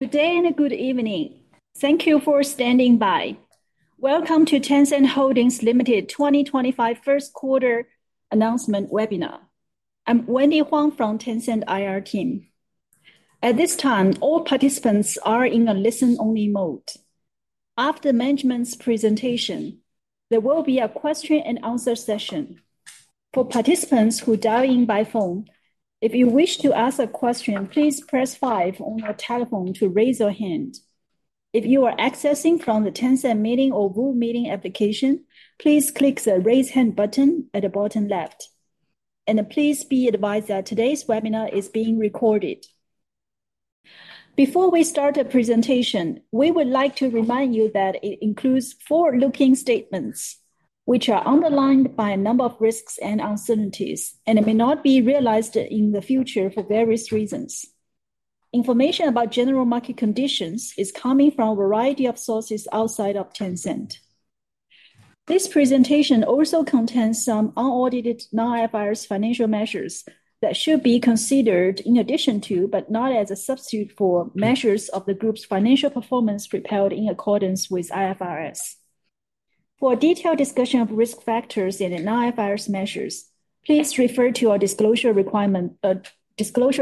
Good day and a good evening. Thank you for standing by. Welcome to Tencent Holdings Limited 2025 First Quarter Announcement Webinar. I'm Wendy Huang from Tencent IR team. At this time, all participants are in a listen-only mode. After management's presentation, there will be a question-and-answer session. For participants who dial in by phone, if you wish to ask a question, please press 5 on your telephone to raise your hand. If you are accessing from the Tencent Meeting or Zoom Meeting application, please click the raise hand button at the bottom left. Please be advised that today's webinar is being recorded. Before we start the presentation, we would like to remind you that it includes forward-looking statements, which are underlined by a number of risks and uncertainties, and it may not be realized in the future for various reasons. Information about general market conditions is coming from a variety of sources outside of Tencent. This presentation also contains some unaudited non-IFRS financial measures that should be considered in addition to, but not as a substitute for, measures of the group's financial performance prepared in accordance with IFRS. For a detailed discussion of risk factors in the non-IFRS measures, please refer to our disclosure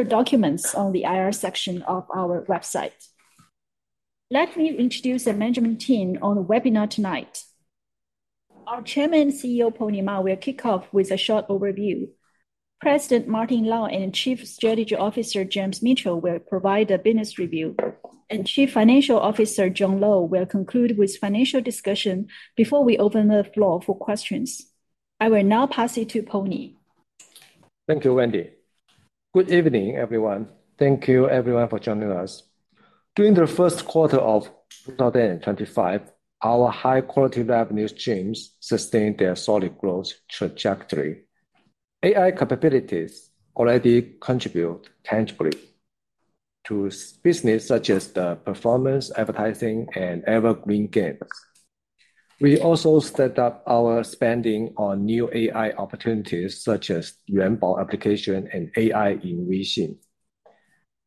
documents on the IR section of our website. Let me introduce the management team on the webinar tonight. Our Chairman and CEO, Pony Ma, will kick off with a short overview. President Martin Lau and Chief Strategy Officer James Mitchell will provide a business review, and Chief Financial Officer John Lo will conclude with financial discussion before we open the floor for questions. I will now pass it to Pony. Thank you, Wendy. Good evening, everyone. Thank you, everyone, for joining us. During the first quarter of 2025, our high-quality revenue streams sustained their solid growth trajectory. AI capabilities already contribute tangibly to business such as the performance, advertising, and evergreen games. We also set up our spending on new AI opportunities such as Yuanbao Application and AI in Weixin.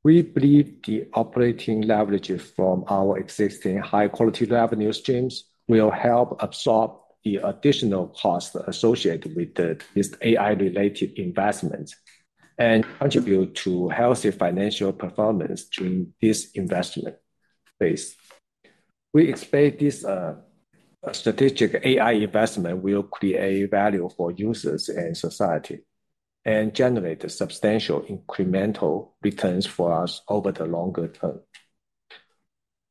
We believe the operating leverage from our existing high-quality revenue streams will help absorb the additional costs associated with this AI-related investment and contribute to healthy financial performance during this investment phase. We expect this strategic AI investment will create value for users and society and generate substantial incremental returns for us over the longer term.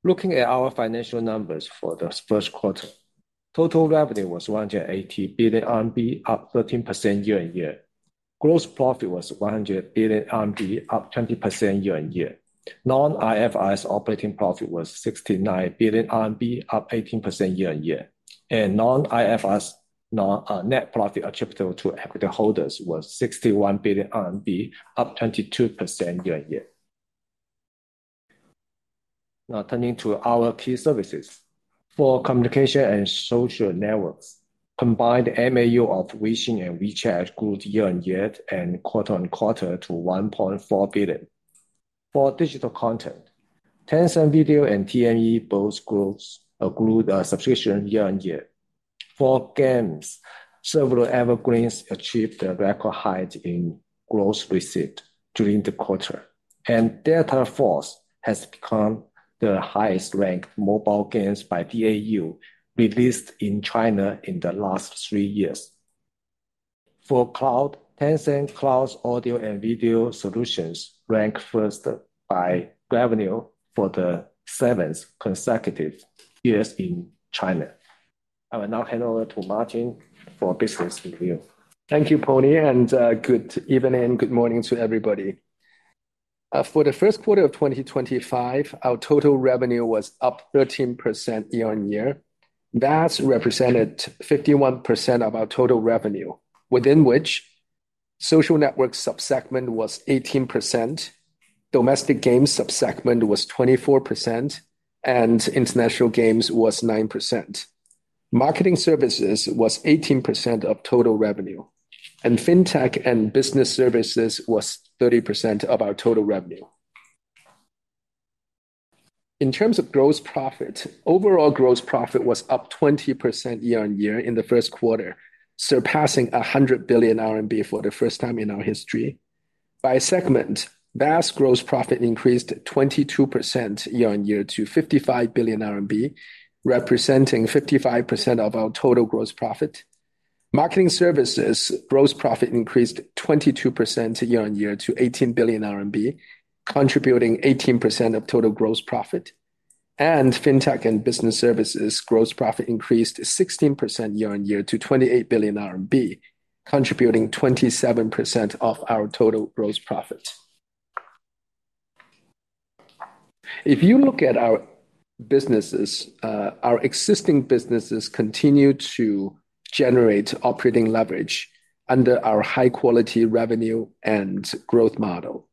Looking at our financial numbers for the first quarter, total revenue was 180 billion RMB, up 13% year-on-year. Gross profit was 100 billion RMB, up 20% year-on-year. Non-IFRS operating profit was 69 billion RMB, up 18% year-on-year. Non-IFRS net profit attributable to equity holders was 61 billion RMB, up 22% year-on-year. Now, turning to our key services. For communication and social networks, combined MAU of Weixin and WeChat grew year-on-year and quarter-on-quarter to 1.4 billion. For digital content, Tencent Video and TME both grew subscription year-on-year. For games, several evergreens achieved a record height in gross receipt during the quarter. Delta Force has become the highest-ranked mobile game by DAU released in China in the last three years. For cloud, Tencent Cloud's audio and video solutions ranked first by revenue for the seventh consecutive year in China. I will now hand over to Martin for business review. Thank you, Pony, and good evening and good morning to everybody. For the first quarter of 2025, our total revenue was up 13% year-on-year. That represented 51% of our total revenue, within which social network subsegment was 18%, domestic games subsegment was 24%, and international games was 9%. Marketing services was 18% of total revenue, and fintech and business services was 30% of our total revenue. In terms of gross profit, overall gross profit was up 20% year-on-year in the first quarter, surpassing 100 billion RMB for the first time in our history. By segment, VAS gross profit increased 22% year-on-year to 55 billion RMB, representing 55% of our total gross profit. Marketing services gross profit increased 22% year-on-year to 18 billion RMB, contributing 18% of total gross profit. Fintech and business services gross profit increased 16% year-on-year to 28 billion RMB, contributing 27% of our total gross profit. If you look at our businesses, our existing businesses continue to generate operating leverage under our high-quality revenue and growth model.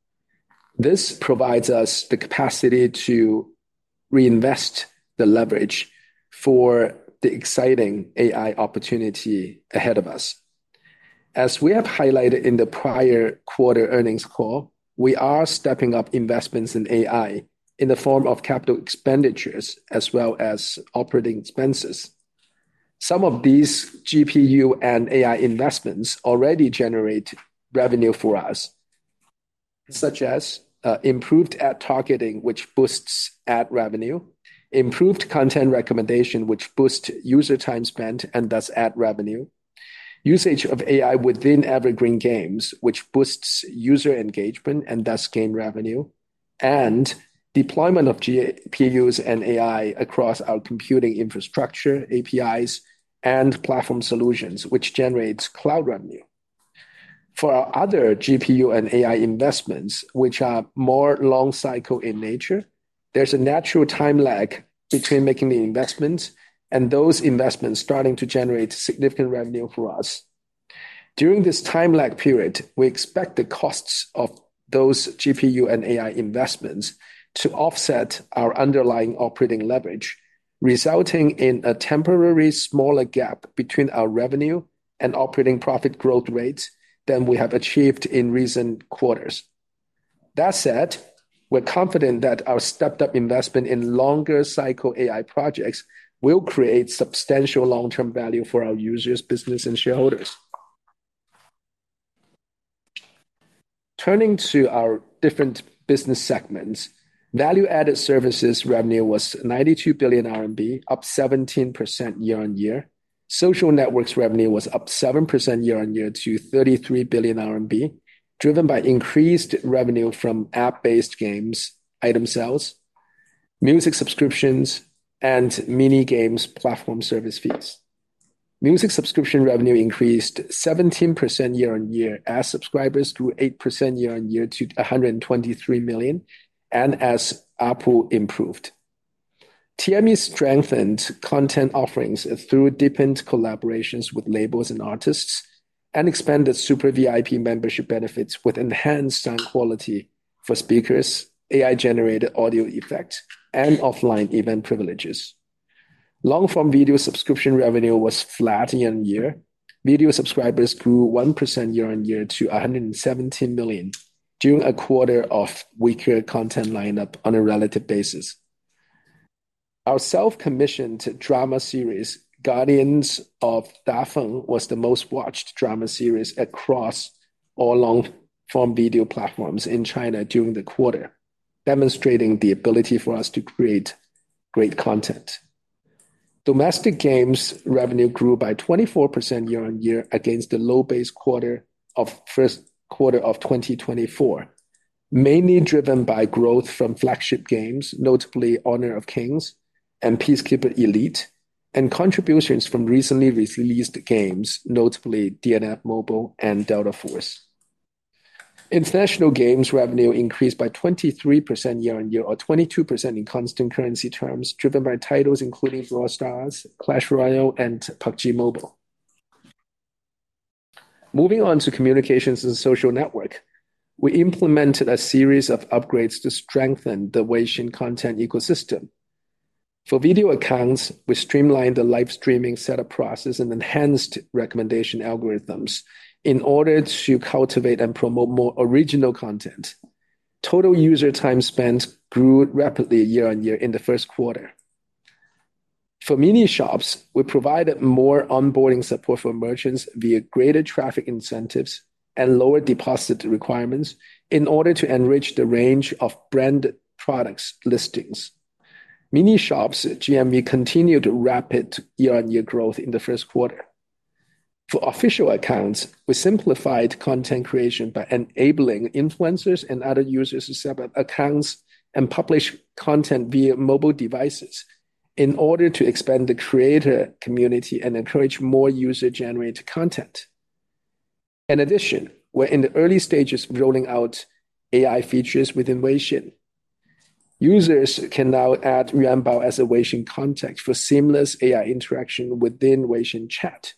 This provides us the capacity to reinvest the leverage for the exciting AI opportunity ahead of us. As we have highlighted in the prior quarter earnings call, we are stepping up investments in AI in the form of capital expenditures as well as operating expenses. Some of these GPU and AI investments already generate revenue for us, such as improved ad targeting, which boosts ad revenue, improved content recommendation, which boosts user time spent and thus ad revenue, usage of AI within evergreen games, which boosts user engagement and thus game revenue, and deployment of GPUs and AI across our computing infrastructure, APIs, and platform solutions, which generates cloud revenue. For our other GPU and AI investments, which are more long-cycle in nature, there's a natural time lag between making the investments and those investments starting to generate significant revenue for us. During this time lag period, we expect the costs of those GPU and AI investments to offset our underlying operating leverage, resulting in a temporary smaller gap between our revenue and operating profit growth rates than we have achieved in recent quarters. That said, we're confident that our stepped-up investment in longer-cycle AI projects will create substantial long-term value for our users, business, and shareholders. Turning to our different business segments, value-added services revenue was 92 billion RMB, up 17% year-on-year. Social networks revenue was up 7% year-on-year to 33 billion RMB, driven by increased revenue from app-based games, item sales, music subscriptions, and mini-games platform service fees. Music subscription revenue increased 17% year-on-year as subscribers grew 8% year-on-year to 123 million, and as APU improved. TME strengthened content offerings through deepened collaborations with labels and artists, and expanded Super VIP membership benefits with enhanced sound quality for speakers, AI-generated audio effects, and offline event privileges. Long-form video subscription revenue was flat year-on-year. Video subscribers grew 1% year-on-year to 117 million during a quarter of weaker content lineup on a relative basis. Our self-commissioned drama series, Guardians of Dafeng, was the most watched drama series across all long-form video platforms in China during the quarter, demonstrating the ability for us to create great content. Domestic games revenue grew by 24% year-on-year against the low base quarter of first quarter of 2024, mainly driven by growth from flagship games, notably Honor of Kings and Peacekeeper Elite, and contributions from recently released games, notably DNF Mobile and Delta Force. International games revenue increased by 23% year-on-year, or 22% in constant currency terms, driven by titles including Brawl Stars, Clash Royale, and PUBG Mobile. Moving on to communications and social network, we implemented a series of upgrades to strengthen the Weixin content ecosystem. For Video Accounts, we streamlined the live streaming setup process and enhanced recommendation algorithms in order to cultivate and promote more original content. Total user time spent grew rapidly year-on-year in the first quarter. For Mini Shops, we provided more onboarding support for merchants via greater traffic incentives and lower deposit requirements in order to enrich the range of branded products listings. Mini Shops GMV continued rapid year-on-year growth in the first quarter. For Official Accounts, we simplified content creation by enabling influencers and other users to set up accounts and publish content via mobile devices in order to expand the creator community and encourage more user-generated content. In addition, we are in the early stages of rolling out AI features within Weixin. Users can now add Yuanbao as a Weixin context for seamless AI interaction within Weixin chat,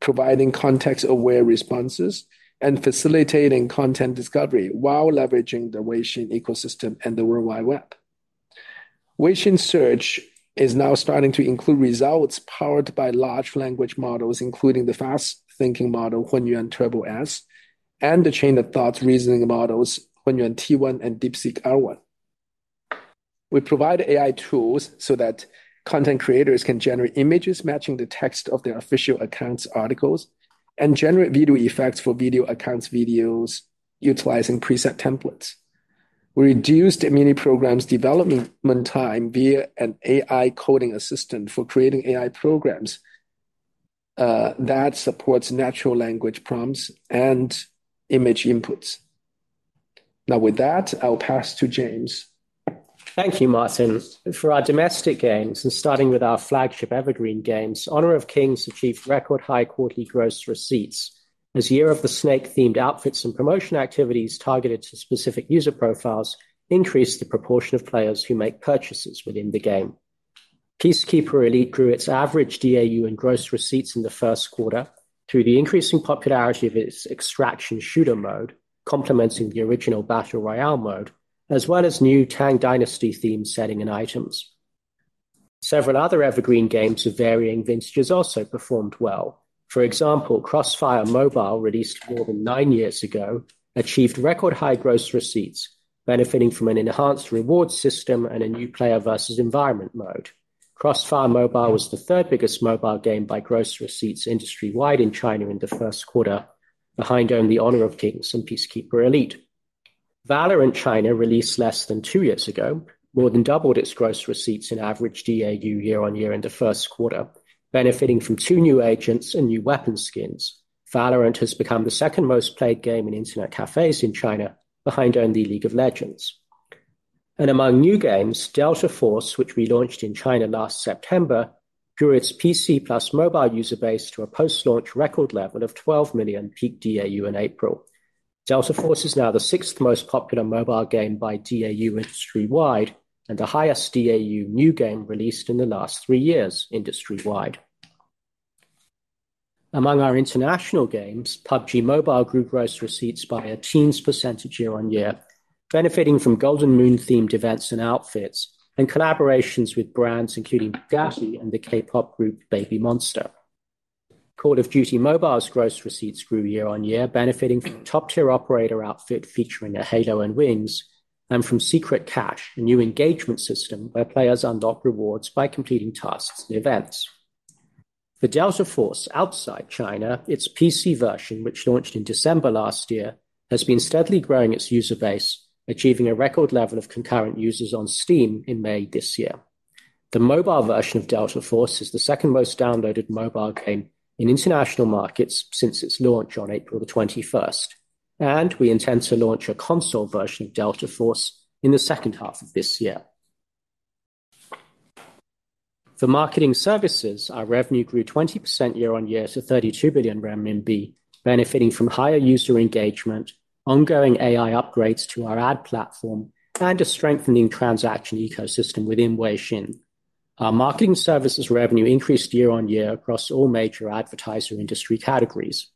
providing context-aware responses and facilitating content discovery while leveraging the Weixin ecosystem and the World Wide Web. Weixin Search is now starting to include results powered by large language models, including the fast-thinking model Hunyuan Turbo S and the chain-of-thought reasoning models HunYuan T1 and DeepSeek R1. We provide AI tools so that content creators can generate images matching the text of their Official Accounts' articles and generate video effects for Video Accounts' videos utilizing preset templates. We reduced Mini Programs' development time via an AI coding assistant for creating AI programs that supports natural language prompts and image inputs. Now, with that, I'll pass to James. Thank you, Martin. For our domestic games, and starting with our flagship evergreen games, Honor of Kings achieved record-high quarterly gross receipts as Year of the Snake-themed outfits and promotion activities targeted to specific user profiles increased the proportion of players who make purchases within the game. Peacekeeper Elite grew its average DAU and gross receipts in the first quarter through the increasing popularity of its extraction shooter mode, complementing the original battle royale mode, as well as new Tang Dynasty-themed setting and items. Several other evergreen games of varying vintages also performed well. For example, Crossfire Mobile, released more than nine years ago, achieved record-high gross receipts, benefiting from an enhanced reward system and a new player versus environment mode. Crossfire Mobile was the third biggest mobile game by gross receipts industry-wide in China in the first quarter, behind only Honor of Kings and Peacekeeper Elite. VALORANT China, released less than two years ago, more than doubled its gross receipts and average DAU year-on-year in the first quarter, benefiting from two new agents and new weapon skins. VALORANT has become the second most played game in internet cafes in China, behind only League of Legends. Among new games, Delta Force, which we launched in China last September, grew its PC plus mobile user base to a post-launch record level of 12 million peak DAU in April. Delta Force is now the sixth most popular mobile game by DAU industry-wide and the highest DAU new game released in the last three years industry-wide. Among our international games, PUBG Mobile grew gross receipts by a teens percentage year-on-year, benefiting from Golden Moon-themed events and outfits and collaborations with brands including Gashi and the K-pop group Baby Monster. Call of Duty Mobile's gross receipts grew year-on-year, benefiting from a top-tier operator outfit featuring a halo and wings and from Secret-Cache, a new engagement system where players unlock rewards by completing tasks and events. For Delta Force outside China, its PC version, which launched in December last year, has been steadily growing its user base, achieving a record level of concurrent users on Steam in May this year. The mobile version of Delta Force is the second most downloaded mobile game in international markets since its launch on April the 21st, and we intend to launch a console version of Delta Force in the second half of this year. For marketing services, our revenue grew 20% year-on-year to 32 billion renminbi, benefiting from higher user engagement, ongoing AI upgrades to our ad platform, and a strengthening transaction ecosystem within Weixin. Our marketing services revenue increased year-on-year across all major advertiser industry categories.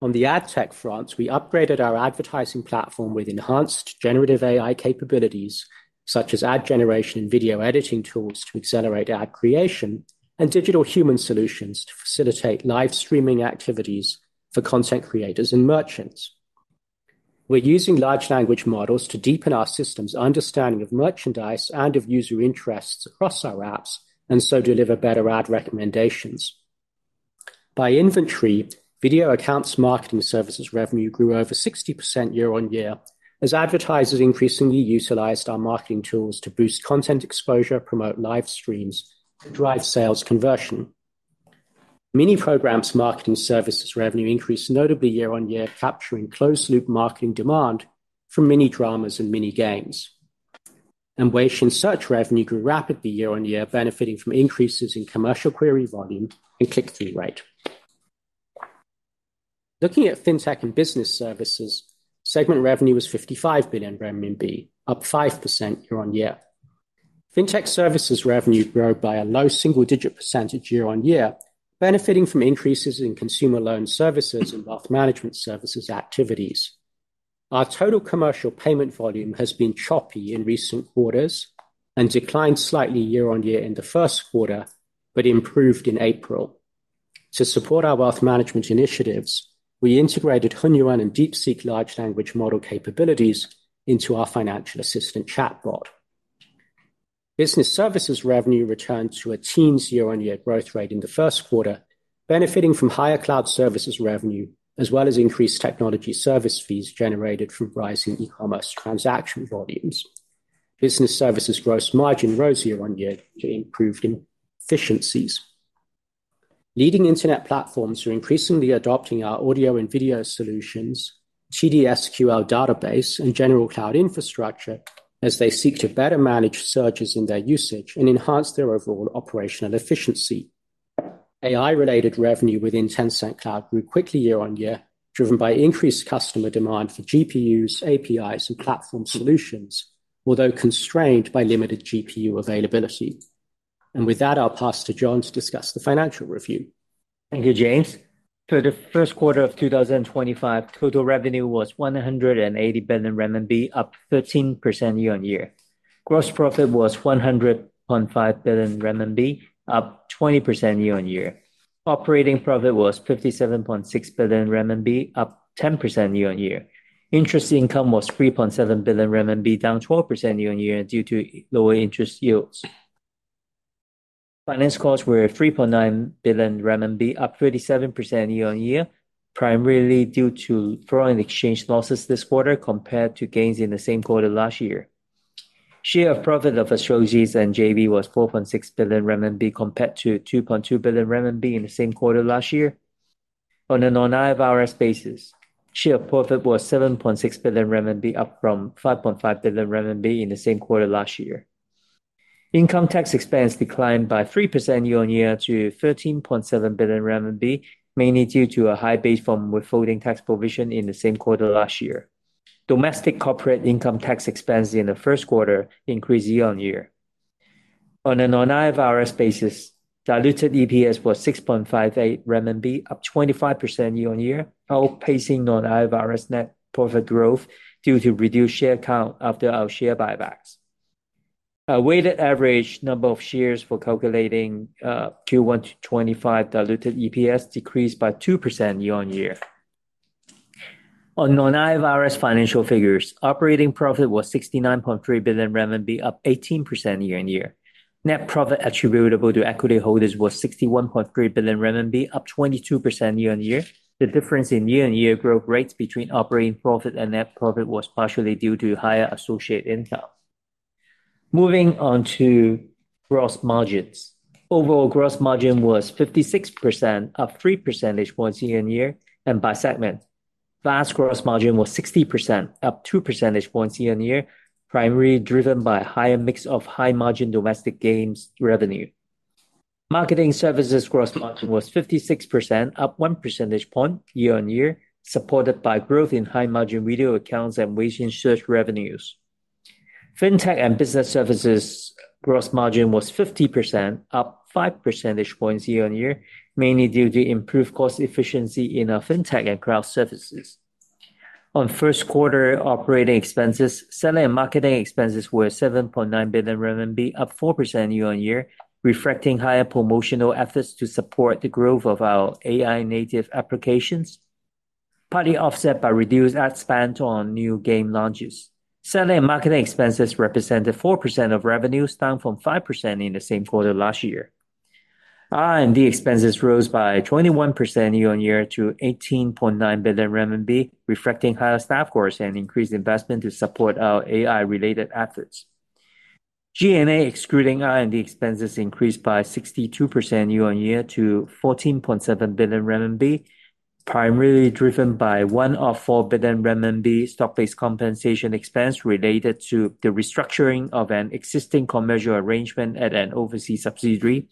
On the ad tech front, we upgraded our advertising platform with enhanced generative AI capabilities, such as ad generation and video editing tools to accelerate ad creation, and digital human solutions to facilitate live streaming activities for content creators and merchants. We're using large language models to deepen our system's understanding of merchandise and of user interests across our apps and so deliver better ad recommendations. By inventory, Video Accounts marketing services revenue grew over 60% year-on-year as advertisers increasingly utilized our marketing tools to boost content exposure, promote live streams, and drive sales conversion. Mini Programs marketing services revenue increased notably year-on-year, capturing closed-loop marketing demand from mini dramas and mini games. Weixin Search revenue grew rapidly year-on-year, benefiting from increases in commercial query volume and click-through rate. Looking at fintech and business services, segment revenue was 55 billion RMB, up 5% year-on-year. Fintech services revenue grew by a low single-digit percentage year-on-year, benefiting from increases in consumer loan services and wealth management services activities. Our total commercial payment volume has been choppy in recent quarters and declined slightly year-on-year in the first quarter, but improved in April. To support our wealth management initiatives, we integrated HunYuan and DeepSeek large language model capabilities into our financial assistant chatbot. Business services revenue returned to a teens year-on-year growth rate in the first quarter, benefiting from higher cloud services revenue, as well as increased technology service fees generated from rising e-commerce transaction volumes. Business services gross margin rose year-on-year to improved efficiencies. Leading internet platforms are increasingly adopting our audio and video solutions, TDSQL database, and general cloud infrastructure as they seek to better manage surges in their usage and enhance their overall operational efficiency. AI-related revenue within Tencent Cloud grew quickly year-on-year, driven by increased customer demand for GPUs, APIs, and platform solutions, although constrained by limited GPU availability. With that, I'll pass to John to discuss the financial review. Thank you, James. For the first quarter of 2025, total revenue was 180 billion RMB, up 13% year-on-year. Gross profit was 100.5 billion RMB, up 20% year-on-year. Operating profit was 57.6 billion RMB, up 10% year-on-year. Interest income was 3.7 billion RMB, down 12% year-on-year due to lower interest yields. Finance costs were 3.9 billion RMB, up 37% year-on-year, primarily due to foreign exchange losses this quarter compared to gains in the same quarter last year. Share of profit of AstroZeez and JV was 4.6 billion RMB, compared to 2.2 billion RMB in the same quarter last year. On a non-IFRS basis, share of profit was 7.6 billion RMB, up from 5.5 billion RMB in the same quarter last year. Income tax expense declined by 3% year-on-year to 13.7 billion RMB, mainly due to a high base from withholding tax provision in the same quarter last year. Domestic corporate income tax expense in the first quarter increased year-on-year. On a non-IFRS basis, diluted EPS was 6.58 RMB, up 25% year-on-year, outpacing non-IFRS net profit growth due to reduced share count after our share buybacks. Our weighted average number of shares for calculating Q1 to Q25 diluted EPS decreased by 2% year-on-year. On non-IFRS financial figures, operating profit was 69.3 billion RMB, up 18% year-on-year. Net profit attributable to equity holders was 61.3 billion RMB, up 22% year-on-year. The difference in year-on-year growth rates between operating profit and net profit was partially due to higher associated income. Moving on to gross margins. Overall gross margin was 56%, up 3% year-on-year and by segment. Last gross margin was 60%, up 2% year-on-year, primarily driven by a higher mix of high-margin domestic games revenue. Marketing services gross margin was 56%, up 1 percentage point year-on-year, supported by growth in high-margin Video Accounts and Weixin Search revenues. Fintech and business services gross margin was 50%, up 5 percentage points year-on-year, mainly due to improved cost efficiency in our fintech and cloud services. On first quarter operating expenses, selling and marketing expenses were 7.9 billion RMB, up 4% year-on-year, reflecting higher promotional efforts to support the growth of our AI-native applications, partly offset by reduced ad spend on new game launches. Seller and marketing expenses represented 4% of revenues, down from 5% in the same quarter last year. R&D expenses rose by 21% year-on-year to 18.9 billion RMB, reflecting higher staff growth and increased investment to support our AI-related efforts. GMA excluding R&D expenses increased by 62% year-on-year to 14.7 billion renminbi, primarily driven by 10.4 billion renminbi stock-based compensation expense related to the restructuring of an existing commercial arrangement at an overseas subsidiary,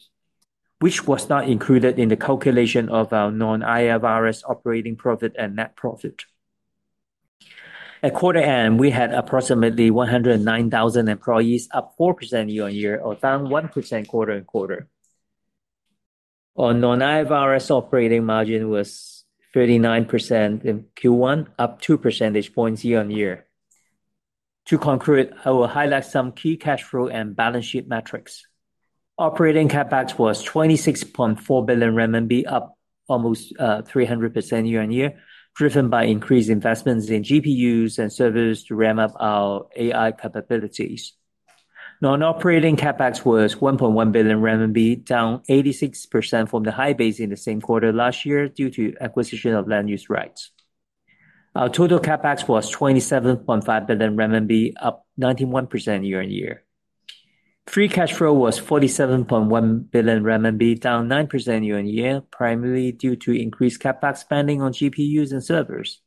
which was not included in the calculation of our non-IFRS operating profit and net profit. At quarter end, we had approximately 109,000 employees, up 4% year-on-year, or down 1% quarter-on-quarter. Our non-IFRS operating margin was 39% in Q1, up 2 percentage points year-on-year. To conclude, I will highlight some key cash flow and balance sheet metrics. Operating capex was 26.4 billion renminbi, up almost 300% year-on-year, driven by increased investments in GPUs and servers to ramp up our AI capabilities. Non-operating capex was 1.1 billion RMB, down 86% from the high base in the same quarter last year due to acquisition of land use rights. Our total capex was 27.5 billion RMB, up 91% year-on-year. Free cash flow was 47.1 billion RMB, down 9% year-on-year, primarily due to increased capex spending on GPUs and servers.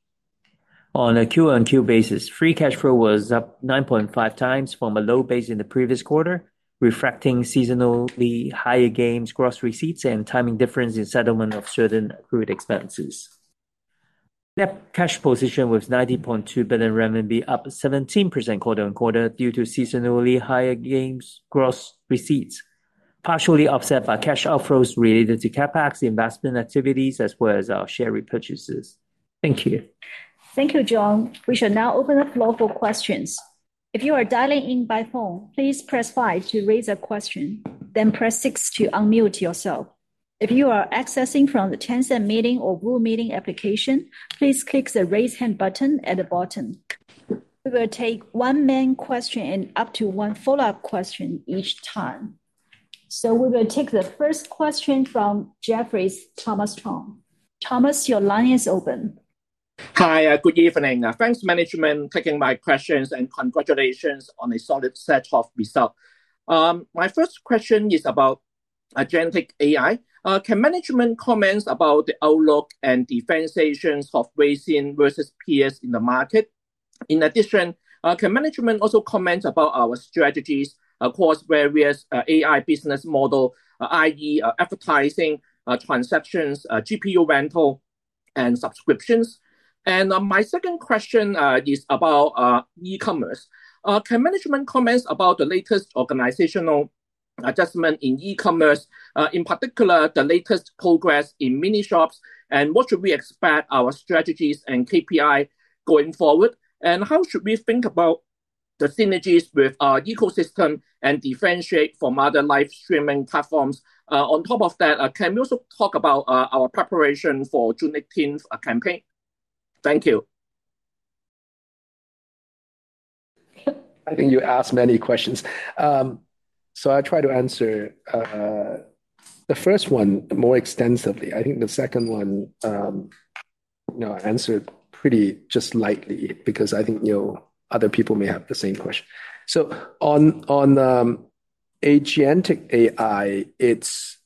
On a Q-on-Q basis, free cash flow was up 9.5x from a low base in the previous quarter, reflecting seasonally higher games gross receipts and timing difference in settlement of certain accrued expenses. Net cash position was 90.2 billion RMB, up 17% quarter-on-quarter due to seasonally higher games gross receipts, partially offset by cash outflows related to capex investment activities as well as our share repurchases. Thank you. Thank you, John. We shall now open the floor for questions. If you are dialing in by phone, please press 5 to raise a question, then press six to unmute yourself. If you are accessing from the Tencent Meeting or Room Meeting application, please click the raise hand button at the bottom. We will take one main question and up to one follow-up question each time. We will take the first question from Jeffrey Thomas Chong. Thomas, your line is open. Hi, good evening. Thanks, management, for taking my questions, and congratulations on a solid set of results. My first question is about agentic AI. Can management comment about the outlook and differentiation of Weixin versus peers in the market? In addition, can management also comment about our strategies across various AI business models, i.e., advertising, transactions, GPU rental, and subscriptions? My second question is about e-commerce. Can management comment about the latest organizational adjustment in e-commerce, in particular the latest progress in Mini Shops, and what should we expect our strategies and KPIs going forward? How should we think about the synergies with our ecosystem and differentiate from other live streaming platforms? On top of that, can we also talk about our preparation for the June 18 campaign? Thank you. I think you asked many questions. I'll try to answer the first one more extensively. I think the second one I answered pretty just lightly because I think other people may have the same question. On agentic AI, it's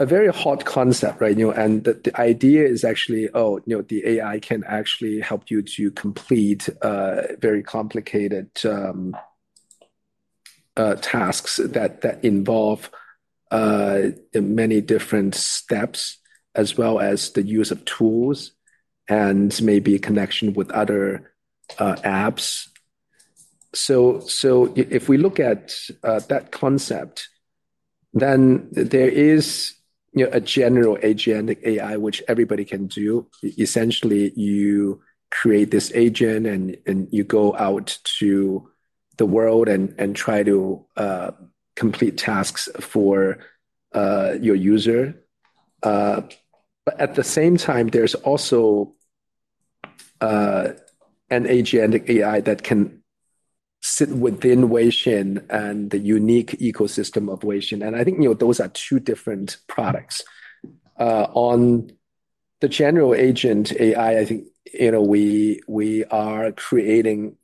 a very hot concept, right? The idea is actually, oh, the AI can actually help you to complete very complicated tasks that involve many different steps, as well as the use of tools and maybe a connection with other apps. If we look at that concept, then there is a general agentic AI, which everybody can do. Essentially, you create this agent and you go out to the world and try to complete tasks for your user. At the same time, there's also an agentic AI that can sit within Weixin and the unique ecosystem of Weixin. I think those are two different products. On the general agent AI, I think we are creating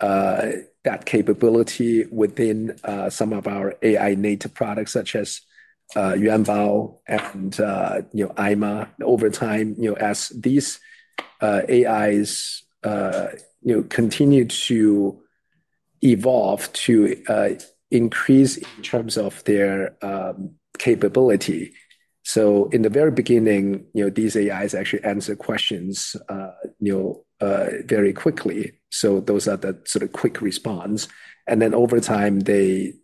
that capability within some of our AI-native products, such as Yuanbao and IMA, over time, as these AIs continue to evolve to increase in terms of their capability. In the very beginning, these AIs actually answer questions very quickly. Those are the sort of quick response. Over time, they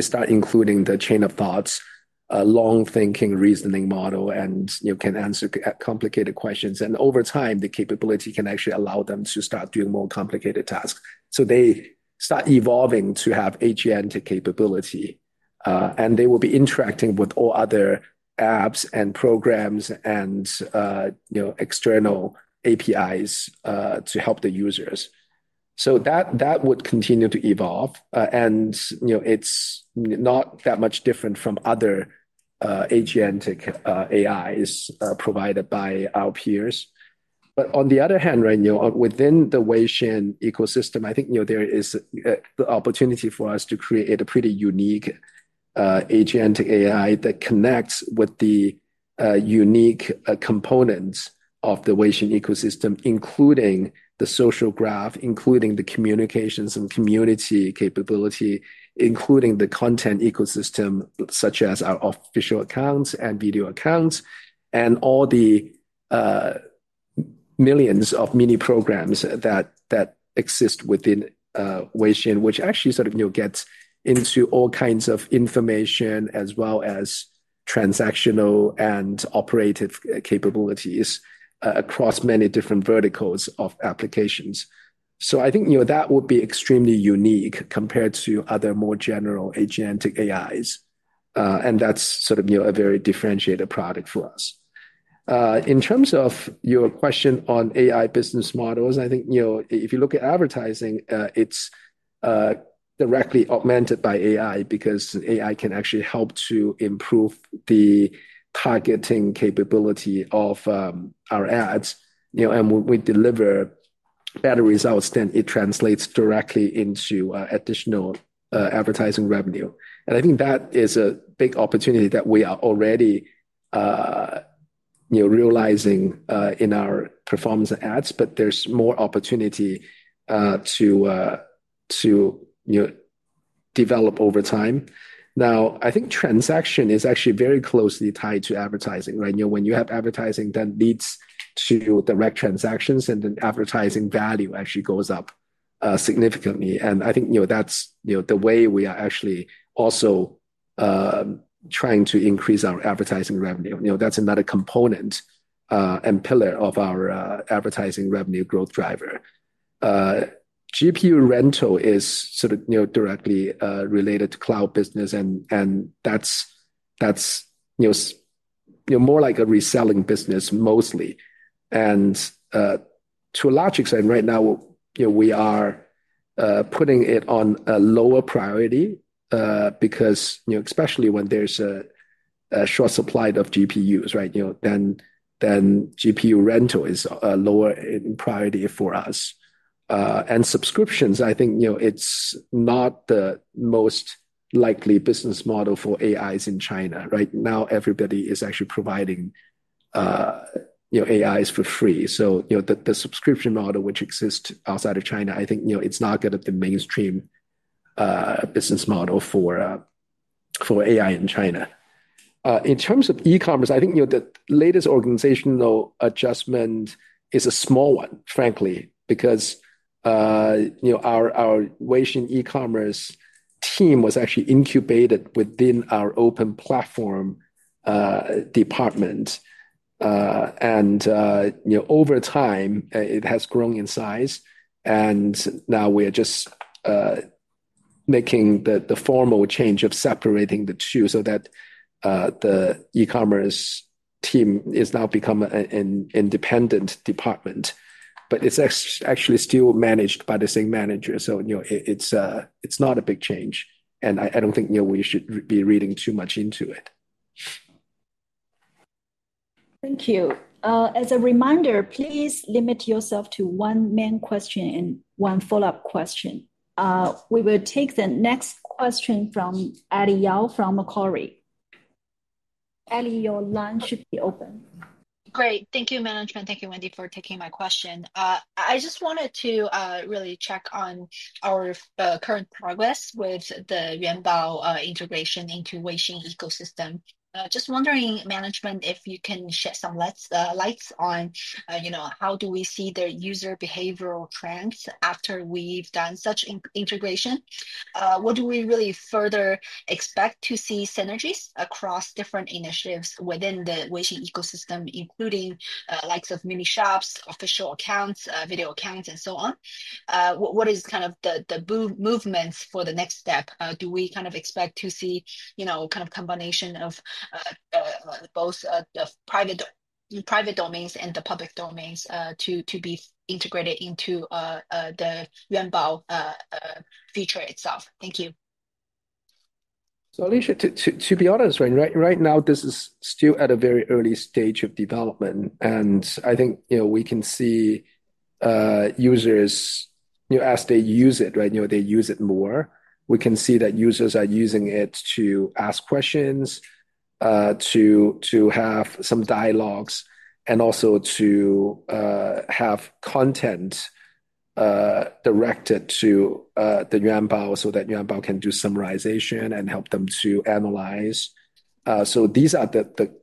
start including the chain of thoughts, long-thinking reasoning model, and can answer complicated questions. Over time, the capability can actually allow them to start doing more complicated tasks. They start evolving to have agentic capability. They will be interacting with all other apps and programs and external APIs to help the users. That would continue to evolve. It is not that much different from other agentic AIs provided by our peers. On the other hand, within the Weixin ecosystem, I think there is the opportunity for us to create a pretty unique agentic AI that connects with the unique components of the Weixin ecosystem, including the social graph, including the communications and community capability, including the content ecosystem, such as our Official Accounts and Video Accounts, and all the millions of Mini Programs that exist within Weixin, which actually sort of gets into all kinds of information, as well as transactional and operative capabilities across many different verticals of applications. I think that would be extremely unique compared to other more general agentic AIs. That is sort of a very differentiated product for us. In terms of your question on AI business models, I think if you look at advertising, it's directly augmented by AI because AI can actually help to improve the targeting capability of our ads. When we deliver better results, then it translates directly into additional advertising revenue. I think that is a big opportunity that we are already realizing in our performance and ads, but there is more opportunity to develop over time. I think transaction is actually very closely tied to advertising. When you have advertising that leads to direct transactions, then advertising value actually goes up significantly. I think that is the way we are actually also trying to increase our advertising revenue. That is another component and pillar of our advertising revenue growth driver. GPU rental is sort of directly related to cloud business, and that is more like a reselling business mostly. To a large extent, right now, we are putting it on a lower priority because especially when there is a short supply of GPUs, then GPU rental is a lower priority for us. Subscriptions, I think it's not the most likely business model for AIs in China. Right now, everybody is actually providing AIs for free. The subscription model, which exists outside of China, I think it's not going to be the mainstream business model for AI in China. In terms of e-commerce, I think the latest organizational adjustment is a small one, frankly, because our Weixin e-commerce team was actually incubated within our open platform department. Over time, it has grown in size. Now we are just making the formal change of separating the two so that the e-commerce team has now become an independent department. It's actually still managed by the same manager. It's not a big change. I don't think we should be reading too much into it. Thank you. As a reminder, please limit yourself to one main question and one follow-up question. We will take the next question from Adi Yao from Macquarie. Adi, your line should be open. Great. Thank you, management. Thank you, Wendy, for taking my question. I just wanted to really check on our current progress with the Yuanbao integration into the Weixin ecosystem. Just wondering, management, if you can shed some light on how do we see the user behavioral trends after we've done such integration? What do we really further expect to see synergies across different initiatives within the Weixin ecosystem, including likes of Mini Shops, Official Accounts, Video Accounts, and so on? What is kind of the movements for the next step? Do we kind of expect to see kind of combination of both the private domains and the public domains to be integrated into the Yuanbao feature itself? Thank you. Adi to be honest, right now, this is still at a very early stage of development. I think we can see users, as they use it, they use it more. We can see that users are using it to ask questions, to have some dialogues, and also to have content directed to the Yuanbao so that Yuanbao can do summarization and help them to analyze. These are the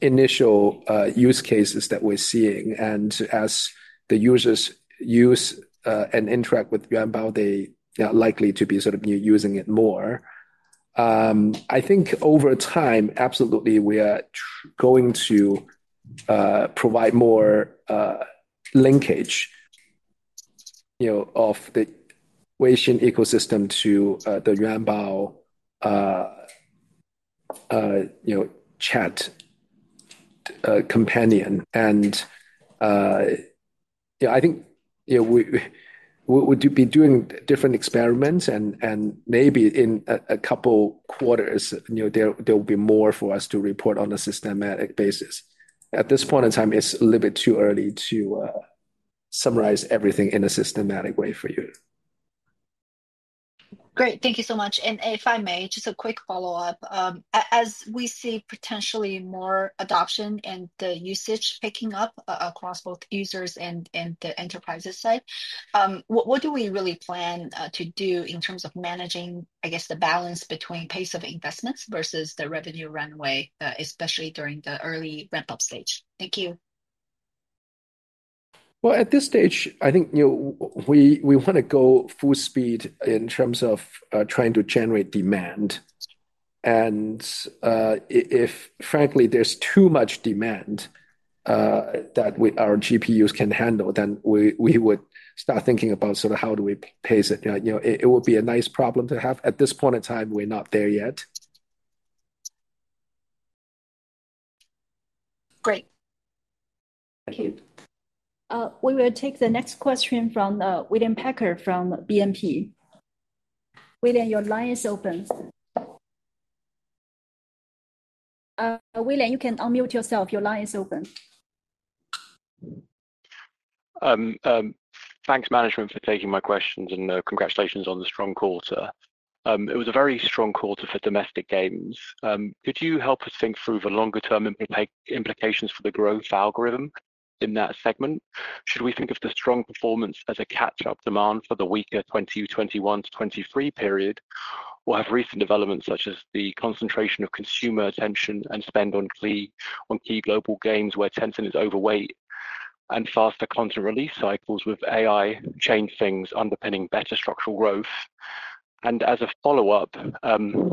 initial use cases that we're seeing. As the users use and interact with Yuanbao, they are likely to be sort of using it more. I think over time, absolutely, we are going to provide more linkage of the Weixin ecosystem to the Yuanbao chat companion. I think we would be doing different experiments. Maybe in a couple of quarters, there will be more for us to report on a systematic basis. At this point in time, it's a little bit too early to summarize everything in a systematic way for you. Great. Thank you so much. If I may, just a quick follow-up. As we see potentially more adoption and the usage picking up across both users and the enterprises side, what do we really plan to do in terms of managing, I guess, the balance between pace of investments versus the revenue runway, especially during the early ramp-up stage? Thank you. At this stage, I think we want to go full speed in terms of trying to generate demand. And if, frankly, there is too much demand that our GPUs can handle, then we would start thinking about sort of how do we pace it. It would be a nice problem to have. At this point in time, we are not there yet. Great. Thank you. We will take the next question from William Packer from BNP. William, your line is open. William, you can unmute yourself. Your line is open. Thanks, management, for taking my questions. Congratulations on the strong quarter. It was a very strong quarter for domestic games. Could you help us think through the longer-term implications for the growth algorithm in that segment? Should we think of the strong performance as a catch-up demand for the weaker 2021-2023 period? Or have recent developments such as the concentration of consumer attention and spend on key global games where Tencent is overweight and faster content release cycles with AI change things underpinning better structural growth? As a follow-up,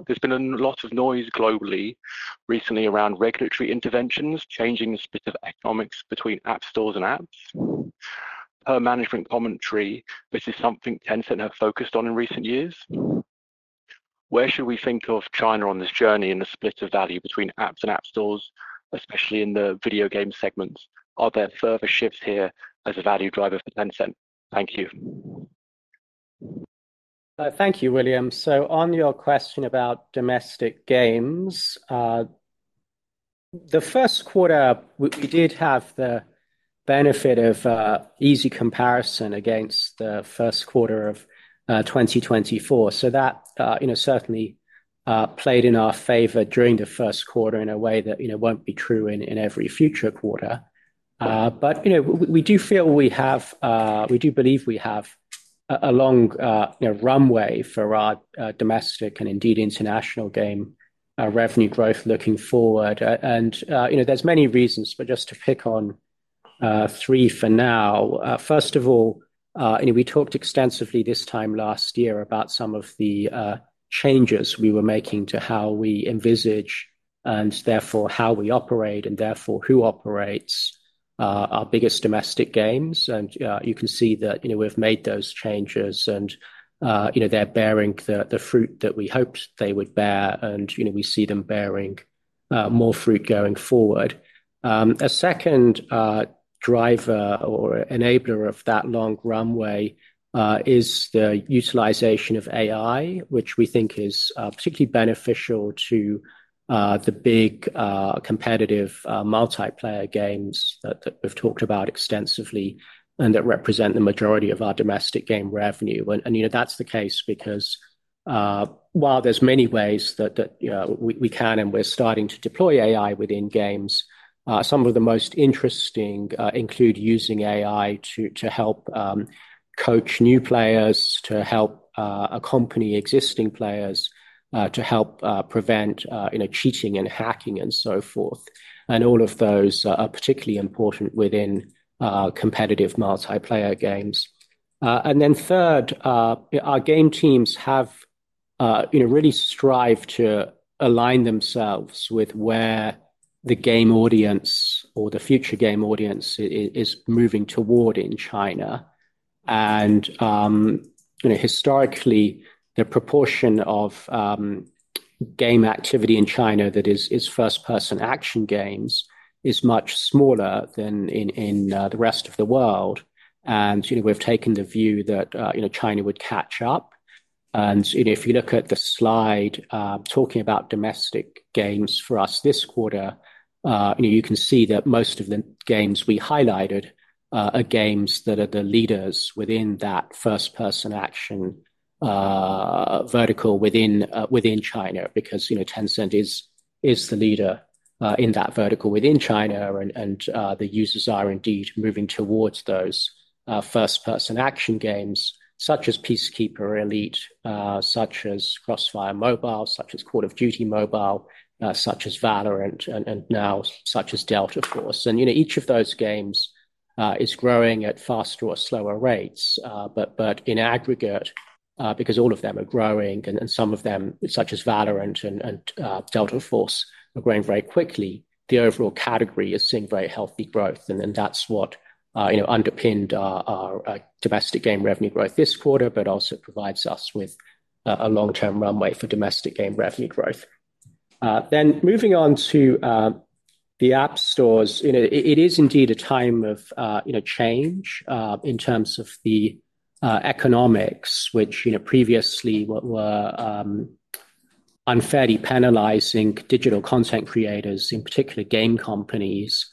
there's been a lot of noise globally recently around regulatory interventions changing the split of economics between app stores and apps. Per management commentary, this is something Tencent have focused on in recent years. Where should we think of China on this journey in the split of value between apps and app stores, especially in the video game segments? Are there further shifts here as a value driver for Tencent? Thank you. Thank you, William. On your question about domestic games, the first quarter, we did have the benefit of easy comparison against the first quarter of 2024. That certainly played in our favor during the first quarter in a way that will not be true in every future quarter. We do believe we have a long runway for our domestic and indeed international game revenue growth looking forward. There are many reasons, but just to pick on three for now. First of all, we talked extensively this time last year about some of the changes we were making to how we envisage and therefore how we operate and therefore who operates our biggest domestic games. You can see that we have made those changes, and they are bearing the fruit that we hoped they would bear. We see them bearing more fruit going forward. A second driver or enabler of that long runway is the utilization of AI, which we think is particularly beneficial to the big competitive multiplayer games that we've talked about extensively and that represent the majority of our domestic game revenue. That is the case because while there are many ways that we can and we're starting to deploy AI within games, some of the most interesting include using AI to help coach new players, to help accompany existing players, to help prevent cheating and hacking and so forth. All of those are particularly important within competitive multiplayer games. Third, our game teams have really strived to align themselves with where the game audience or the future game audience is moving toward in China. Historically, the proportion of game activity in China that is first-person action games is much smaller than in the rest of the world. We have taken the view that China would catch up. If you look at the slide talking about domestic games for us this quarter, you can see that most of the games we highlighted are games that are the leaders within that first-person action vertical within China because Tencent is the leader in that vertical within China. The users are indeed moving towards those first-person action games such as Peacekeeper Elite, such as Crossfire Mobile, such as Call of Duty Mobile, such as Valorant, and now such as Delta Force. Each of those games is growing at faster or slower rates. In aggregate, because all of them are growing and some of them, such as Valorant and Delta Force, are growing very quickly, the overall category is seeing very healthy growth. That is what underpinned our domestic game revenue growth this quarter, but also provides us with a long-term runway for domestic game revenue growth. Moving on to the app stores, it is indeed a time of change in terms of the economics, which previously were unfairly penalizing digital content creators, in particular game companies,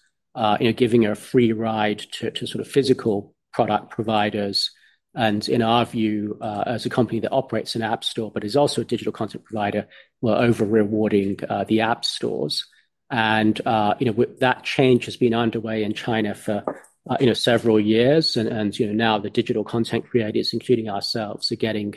giving a free ride to sort of physical product providers. In our view, as a company that operates an app store, but is also a digital content provider, we are over-rewarding the app stores. That change has been underway in China for several years. Now the digital content creators, including ourselves, are getting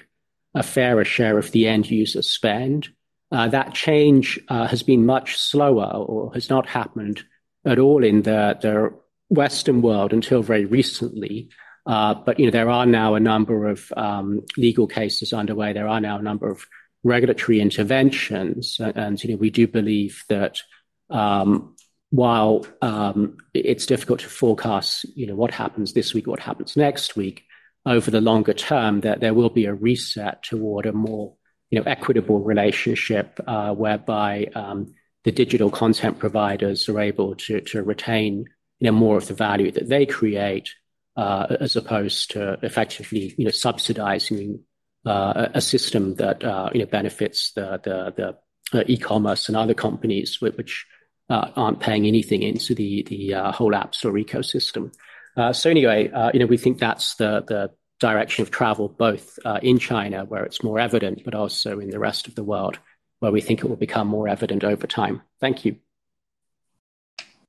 a fairer share of the end user spend. That change has been much slower or has not happened at all in the Western world until very recently. There are now a number of legal cases underway. There are now a number of regulatory interventions. We do believe that while it's difficult to forecast what happens this week, what happens next week, over the longer term, there will be a reset toward a more equitable relationship whereby the digital content providers are able to retain more of the value that they create as opposed to effectively subsidizing a system that benefits the e-commerce and other companies which aren't paying anything into the whole app store ecosystem. Anyway, we think that's the direction of travel both in China, where it's more evident, but also in the rest of the world, where we think it will become more evident over time. Thank you.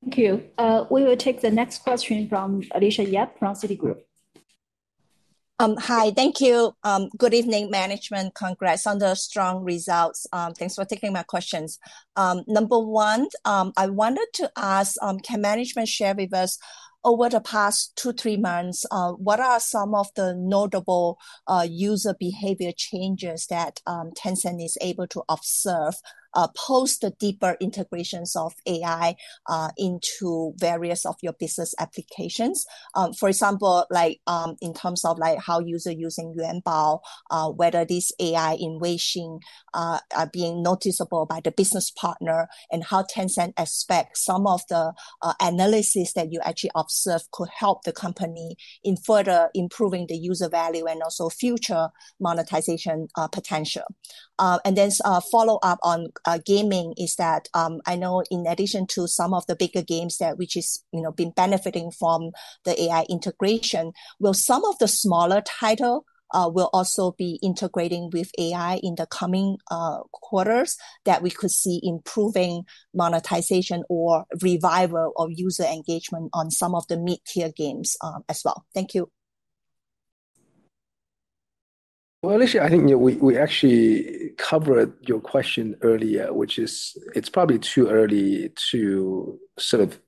Thank you. We will take the next question from Alicia Yap from Citigroup. Hi. Thank you. Good evening, management. Congrats on the strong results. Thanks for taking my questions. Number one, I wanted to ask, can management share with us over the past two, three months, what are some of the notable user behavior changes that Tencent is able to observe post the deeper integrations of AI into various of your business applications? For example, in terms of how users are using Yuanbao, whether this AI in Weixin is being noticeable by the business partner, and how Tencent expects some of the analysis that you actually observe could help the company in further improving the user value and also future monetization potential. Following up on gaming, I know in addition to some of the bigger games which have been benefiting from the AI integration, will some of the smaller titles also be integrating with AI in the coming quarters that we could see improving monetization or revival of user engagement on some of the mid-tier games as well? Thank you. Alicia, I think we actually covered your question earlier, which is it's probably too early to sort of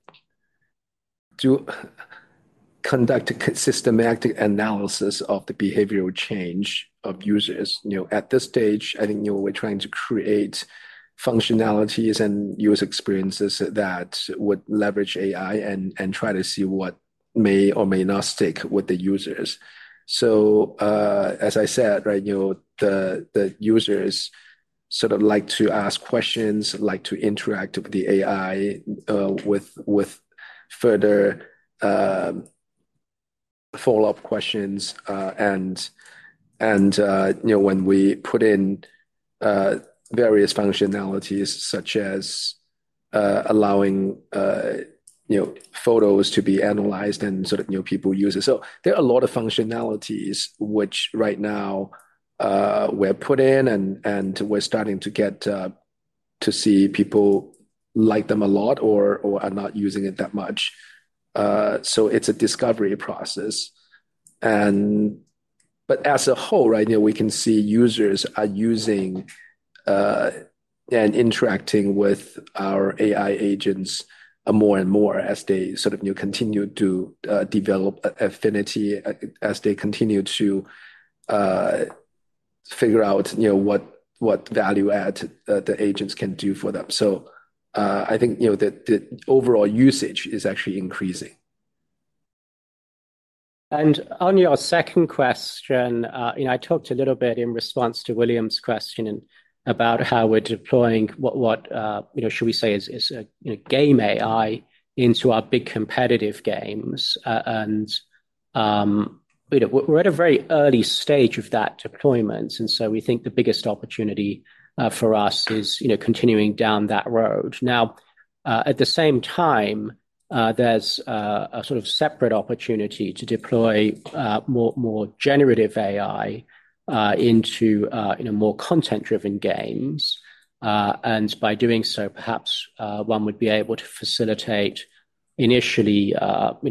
conduct a systematic analysis of the behavioral change of users. At this stage, I think we're trying to create functionalities and user experiences that would leverage AI and try to see what may or may not stick with the users. As I said, the users sort of like to ask questions, like to interact with the AI with further follow-up questions. When we put in various functionalities such as allowing photos to be analyzed and sort of people use it, there are a lot of functionalities which right now we're putting in and we're starting to get to see people like them a lot or are not using it that much. It is a discovery process. As a whole, we can see users are using and interacting with our AI agents more and more as they sort of continue to develop affinity, as they continue to figure out what value-add the agents can do for them. I think the overall usage is actually increasing. On your second question, I talked a little bit in response to William's question about how we are deploying what should we say is game AI into our big competitive games. We are at a very early stage of that deployment. We think the biggest opportunity for us is continuing down that road. At the same time, there is a sort of separate opportunity to deploy more generative AI into more content-driven games. By doing so, perhaps one would be able to facilitate initially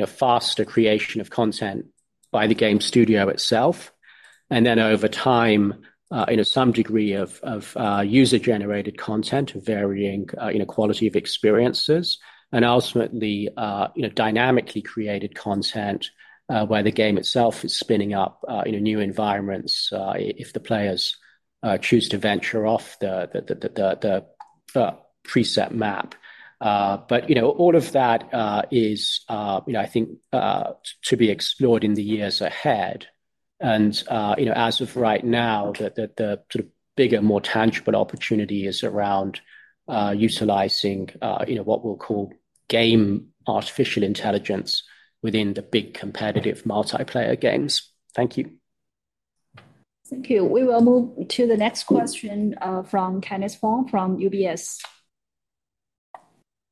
faster creation of content by the game studio itself. Over time, some degree of user-generated content of varying quality of experiences. Ultimately, dynamically created content where the game itself is spinning up new environments if the players choose to venture off the preset map. All of that is, I think, to be explored in the years ahead. As of right now, the sort of bigger, more tangible opportunity is around utilizing what we'll call game artificial intelligence within the big competitive multiplayer games. Thank you. Thank you. We will move to the next question from Kenneth Wong from UBS.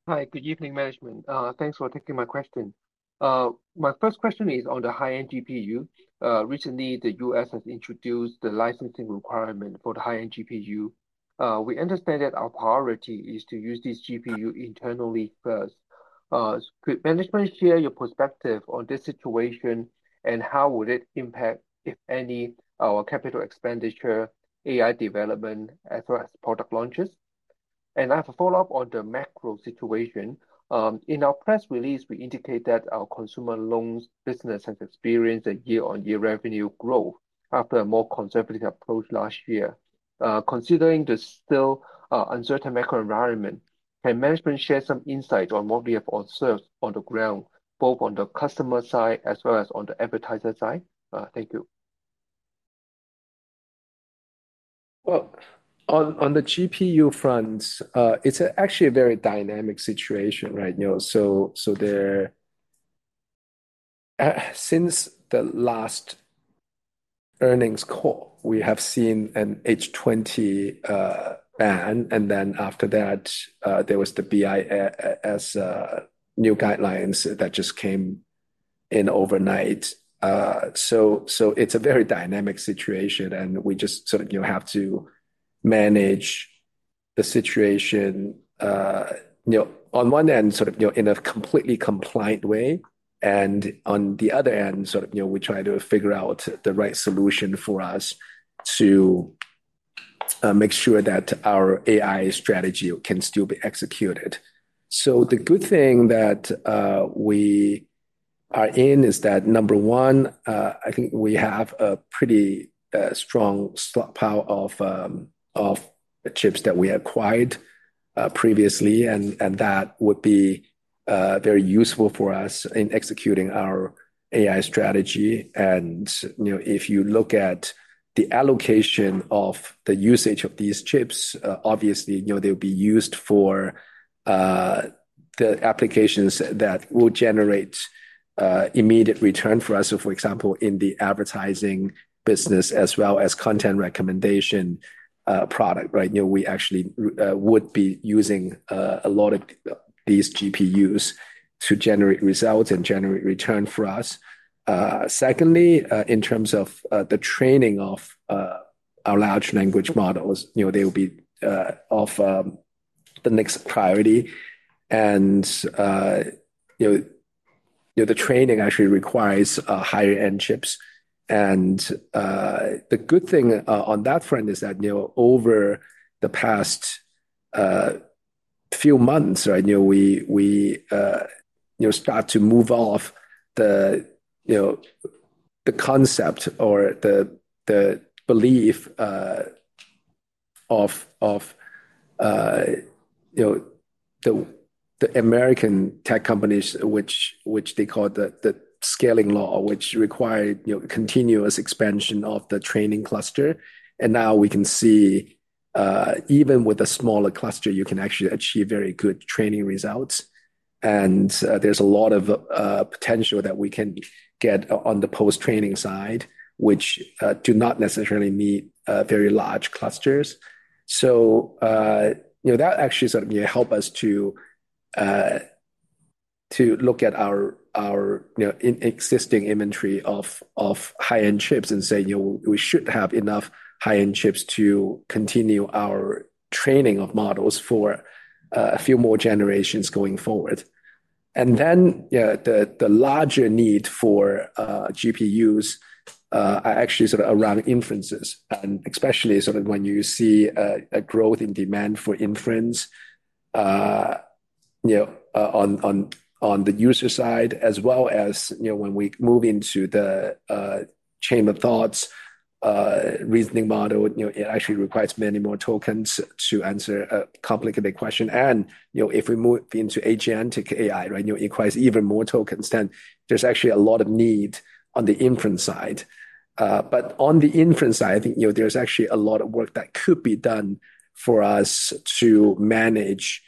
Hi. Good evening, management. Thanks for taking my question. My first question is on the high-end GPU. Recently, the U.S. has introduced the licensing requirement for the high-end GPU. We understand that our priority is to use this GPU internally first. Could management share your perspective on this situation and how would it impact, if any, our capital expenditure, AI development, as well as product launches? I have a follow-up on the macro situation. In our press release, we indicate that our consumer loans business has experienced a year-on-year revenue growth after a more conservative approach last year. Considering the still uncertain macro environment, can management share some insights on what we have observed on the ground, both on the customer side as well as on the advertiser side? Thank you. On the GPU front, it's actually a very dynamic situation right now. Since the last earnings call, we have seen an H20 band. After that, there was the BIS new guidelines that just came in overnight. It is a very dynamic situation. We just sort of have to manage the situation on one end in a completely compliant way. On the other end, we try to figure out the right solution for us to make sure that our AI strategy can still be executed. The good thing that we are in is that, number one, I think we have a pretty strong stockpile of chips that we acquired previously. That would be very useful for us in executing our AI strategy. If you look at the allocation of the usage of these chips, obviously, they'll be used for the applications that will generate immediate return for us. For example, in the advertising business as well as content recommendation product, we actually would be using a lot of these GPUs to generate results and generate return for us. Secondly, in terms of the training of our large language models, they will be of the next priority. The training actually requires higher-end chips. The good thing on that front is that over the past few months, we start to move off the concept or the belief of the American tech companies, which they call the scaling law, which required continuous expansion of the training cluster. Now we can see even with a smaller cluster, you can actually achieve very good training results. There is a lot of potential that we can get on the post-training side, which do not necessarily need very large clusters. That actually sort of helps us to look at our existing inventory of high-end chips and say we should have enough high-end chips to continue our training of models for a few more generations going forward. The larger need for GPUs is actually sort of around inferences, and especially sort of when you see a growth in demand for inference on the user side, as well as when we move into the chain of thought reasoning model, it actually requires many more tokens to answer a complicated question. If we move into agentic AI, it requires even more tokens. There is actually a lot of need on the inference side. On the inference side, I think there's actually a lot of work that could be done for us to manage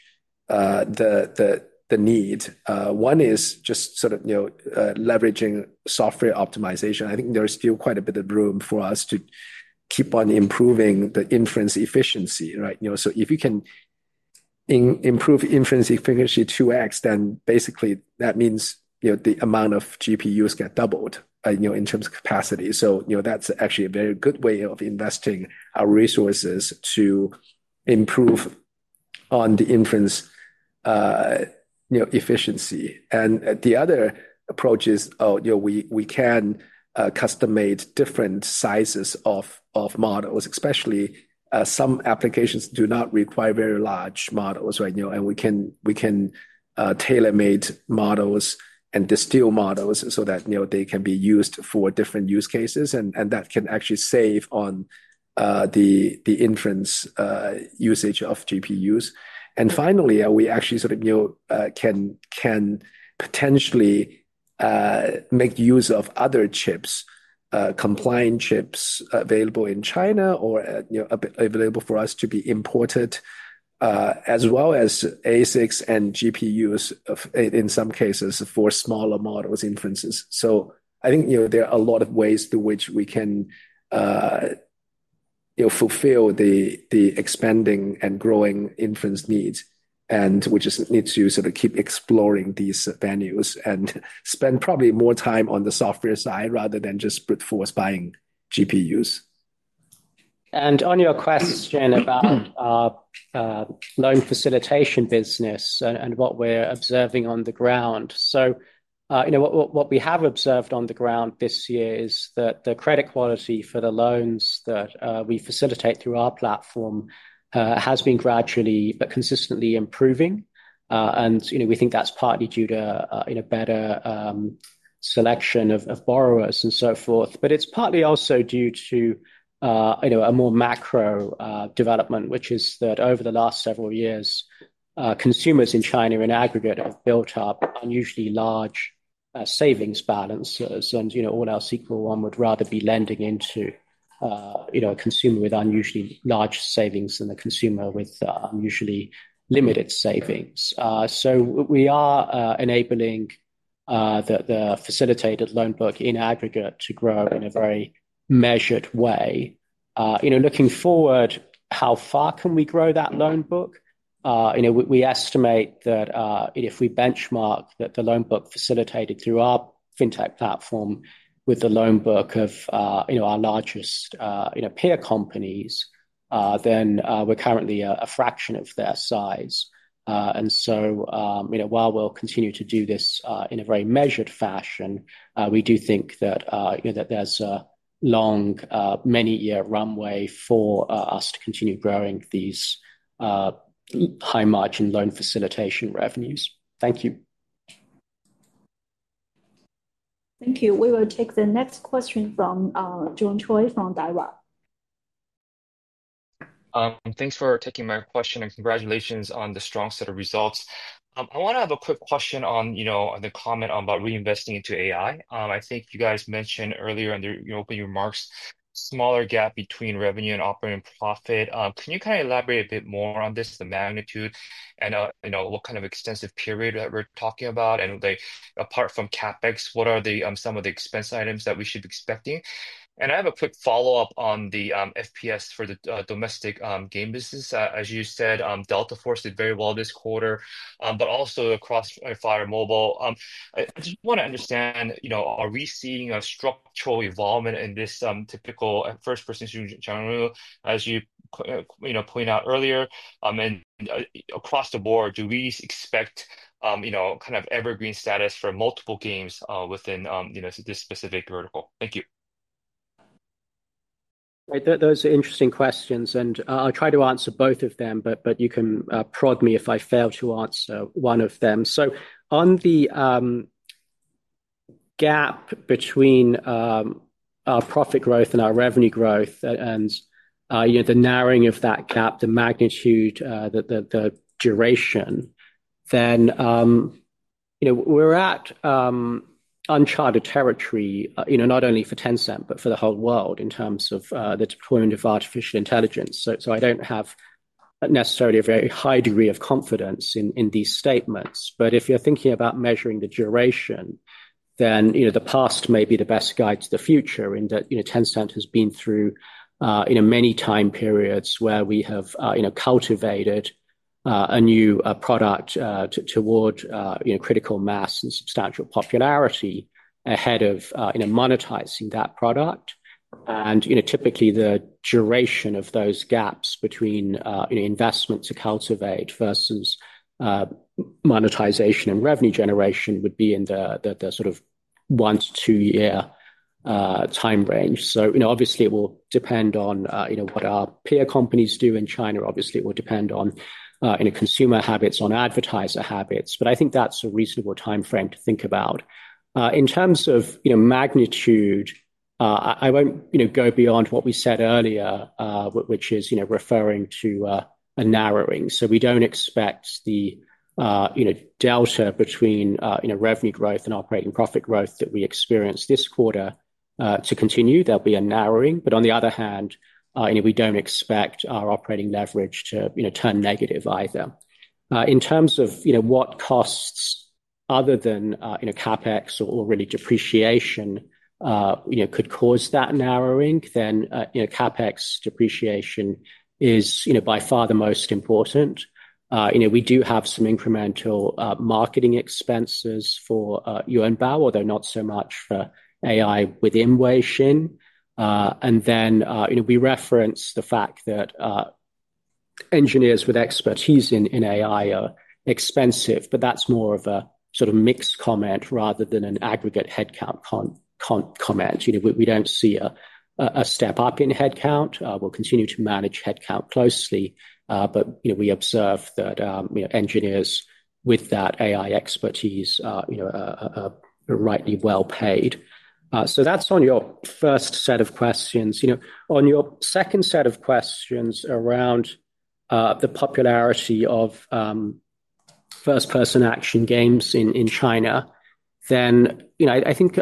the need. One is just sort of leveraging software optimization. I think there's still quite a bit of room for us to keep on improving the inference efficiency. If you can improve inference efficiency 2x, then basically that means the amount of GPUs get doubled in terms of capacity. That's actually a very good way of investing our resources to improve on the inference efficiency. The other approach is we can customize different sizes of models, especially some applications do not require very large models. We can tailor-make models and distill models so that they can be used for different use cases. That can actually save on the inference usage of GPUs. Finally, we actually sort of can potentially make use of other chips, compliant chips available in China or available for us to be imported, as well as ASICs and GPUs in some cases for smaller models' inferences. I think there are a lot of ways through which we can fulfill the expanding and growing inference needs, which just needs to sort of keep exploring these venues and spend probably more time on the software side rather than just brute force buying GPUs. On your question about loan facilitation business and what we're observing on the ground, what we have observed on the ground this year is that the credit quality for the loans that we facilitate through our platform has been gradually but consistently improving. We think that's partly due to better selection of borrowers and so forth. It is partly also due to a more macro development, which is that over the last several years, consumers in China in aggregate have built up unusually large savings balances. All else equal, one would rather be lending into a consumer with unusually large savings than a consumer with unusually limited savings. We are enabling the facilitated loan book in aggregate to grow in a very measured way. Looking forward, how far can we grow that loan book? We estimate that if we benchmark the loan book facilitated through our fintech platform with the loan book of our largest peer companies, then we are currently a fraction of their size. While we will continue to do this in a very measured fashion, we do think that there is a long, many-year runway for us to continue growing these high-margin loan facilitation revenues. Thank you. Thank you. We will take the next question from Jun Choi from Daiwa. Thanks for taking my question and congratulations on the strong set of results. I want to have a quick question on the comment about reinvesting into AI. I think you guys mentioned earlier in your opening remarks, smaller gap between revenue and operating profit. Can you kind of elaborate a bit more on this, the magnitude, and what kind of extensive period that we're talking about? Apart from CapEx, what are some of the expense items that we should be expecting? I have a quick follow-up on the FPS for the domestic game business. As you said, Delta Force did very well this quarter, but also Crossfire Mobile. I just want to understand, are we seeing a structural evolvement in this typical first-person shooting genre, as you point out earlier? Across the board, do we expect kind of evergreen status for multiple games within this specific vertical? Thank you. Those are interesting questions. I'll try to answer both of them, but you can prod me if I fail to answer one of them. On the gap between our profit growth and our revenue growth and the narrowing of that gap, the magnitude, the duration, we're at uncharted territory, not only for Tencent, but for the whole world in terms of the deployment of artificial intelligence. I don't have necessarily a very high degree of confidence in these statements. If you're thinking about measuring the duration, the past may be the best guide to the future in that Tencent has been through many time periods where we have cultivated a new product toward critical mass and substantial popularity ahead of monetizing that product. Typically, the duration of those gaps between investment to cultivate versus monetization and revenue generation would be in the sort of one- to two-year time range. Obviously, it will depend on what our peer companies do in China. Obviously, it will depend on consumer habits, on advertiser habits. I think that's a reasonable time frame to think about. In terms of magnitude, I won't go beyond what we said earlier, which is referring to a narrowing. We do not expect the delta between revenue growth and operating profit growth that we experienced this quarter to continue. There will be a narrowing. On the other hand, we do not expect our operating leverage to turn negative either. In terms of what costs other than CapEx or really depreciation could cause that narrowing, CapEx depreciation is by far the most important. We do have some incremental marketing expenses for Yuanbao, although not so much for AI within Weixin. Then we reference the fact that engineers with expertise in AI are expensive. That is more of a sort of mixed comment rather than an aggregate headcount comment. We do not see a step up in headcount. We will continue to manage headcount closely. We observe that engineers with that AI expertise are rightly well paid. That is on your first set of questions. On your second set of questions around the popularity of first-person action games in China, I think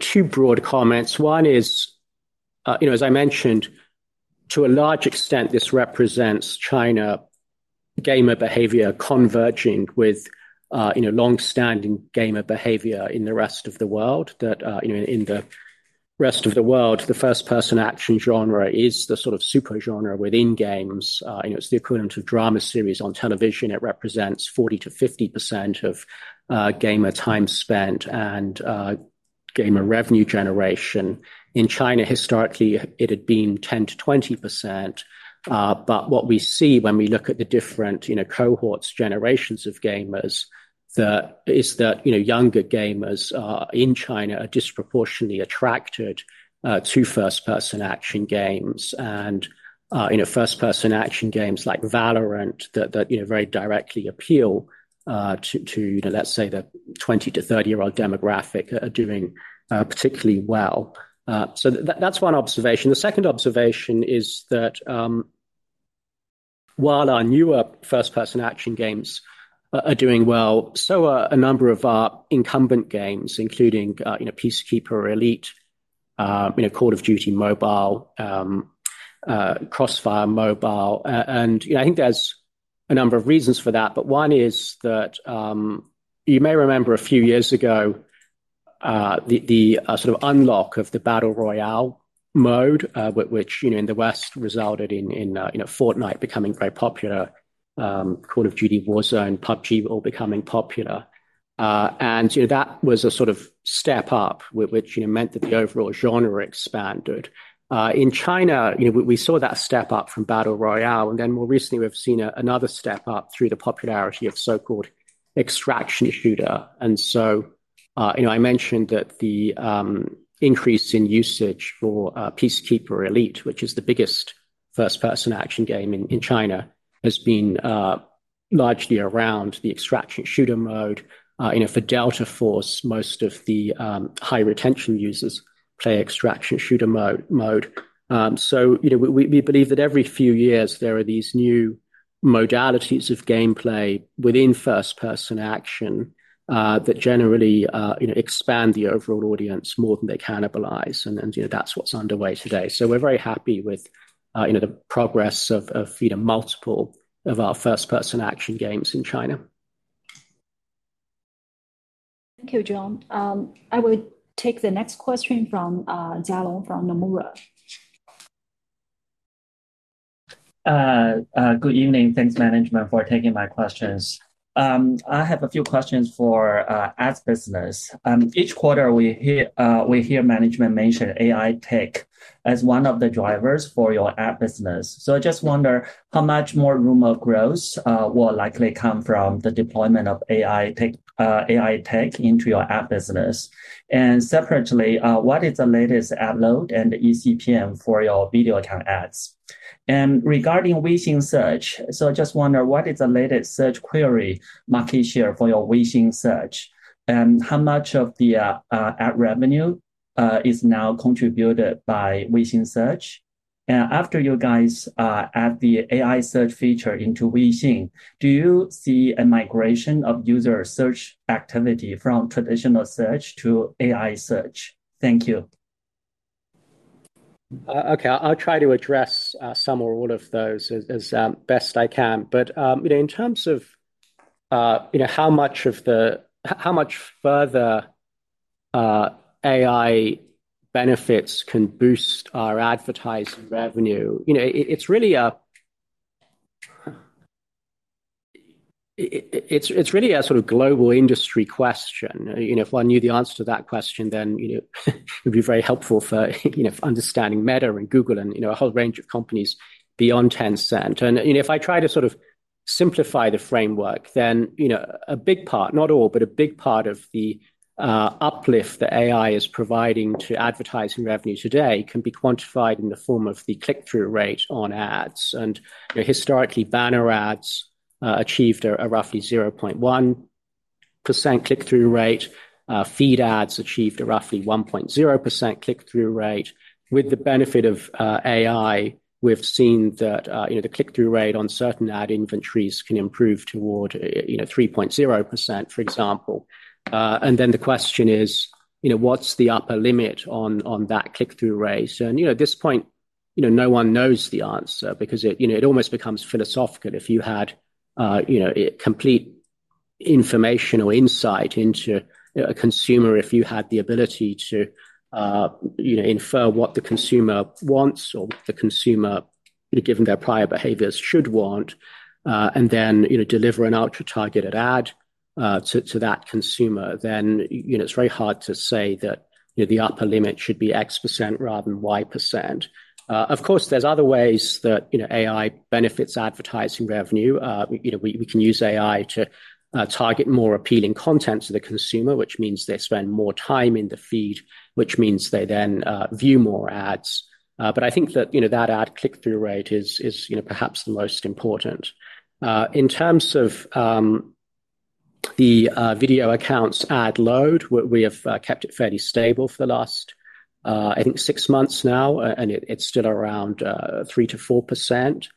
two broad comments. One is, as I mentioned, to a large extent, this represents China gamer behavior converging with long-standing gamer behavior in the rest of the world. In the rest of the world, the first-person action genre is the sort of super genre within games. It's the equivalent of drama series on television. It represents 40%-50% of gamer time spent and gamer revenue generation. In China, historically, it had been 10%-20%. What we see when we look at the different cohorts, generations of gamers, is that younger gamers in China are disproportionately attracted to first-person action games. First-person action games like Valorant that very directly appeal to, let's say, the 20- to 30-year-old demographic are doing particularly well. That's one observation. The second observation is that while our newer first-person action games are doing well, so are a number of our incumbent games, including Peacekeeper Elite, Call of Duty Mobile, Crossfire Mobile. I think there's a number of reasons for that. One is that you may remember a few years ago the sort of unlock of the Battle Royale mode, which in the West resulted in Fortnite becoming very popular, Call of Duty Warzone, PUBG all becoming popular. That was a sort of step up, which meant that the overall genre expanded. In China, we saw that step up from Battle Royale. More recently, we've seen another step up through the popularity of so-called extraction shooter. I mentioned that the increase in usage for Peacekeeper Elite, which is the biggest first-person action game in China, has been largely around the extraction shooter mode. For Delta Force, most of the high retention users play extraction shooter mode. We believe that every few years, there are these new modalities of gameplay within first-person action that generally expand the overall audience more than they cannibalize. That's what's underway today. We are very happy with the progress of multiple of our first-person action games in China. Thank you, John. I will take the next question from Dialo[geuss] from Nomura. Good evening. Thanks, management, for taking my questions. I have a few questions for ad business. Each quarter, we hear management mention AI tech as one of the drivers for your ad business. I just wonder how much more room of growth will likely come from the deployment of AI tech into your ad business. Separately, what is the latest ad load and the ECPM for your Video Accounts ads? Regarding Weixin Search, I just wonder what is the latest search query market share for your Weixin Search. How much of the ad revenue is now contributed by Weixin Search? After you guys add the AI search feature into Weixin, do you see a migration of user search activity from traditional search to AI search? Thank you. Okay. I'll try to address some or all of those as best I can. In terms of how much further AI benefits can boost our advertising revenue, it's really a sort of global industry question. If I knew the answer to that question, then it would be very helpful for understanding Meta and Google and a whole range of companies beyond Tencent. If I try to sort of simplify the framework, then a big part, not all, but a big part of the uplift that AI is providing to advertising revenue today can be quantified in the form of the click-through rate on ads. Historically, banner ads achieved a roughly 0.1% click-through rate. Feed ads achieved a roughly 1.0% click-through rate. With the benefit of AI, we've seen that the click-through rate on certain ad inventories can improve toward 3.0%, for example. The question is, what's the upper limit on that click-through rate? At this point, no one knows the answer because it almost becomes philosophical. If you had complete information or insight into a consumer, if you had the ability to infer what the consumer wants or what the consumer, given their prior behaviors, should want, and then deliver an ultra-targeted ad to that consumer, it is very hard to say that the upper limit should be X% rather than Y%. Of course, there are other ways that AI benefits advertising revenue. We can use AI to target more appealing content to the consumer, which means they spend more time in the feed, which means they then view more ads. I think that that ad click-through rate is perhaps the most important. In terms of the Video Accounts ad load, we have kept it fairly stable for the last, I think, six months now, and it's still around 3%-4%.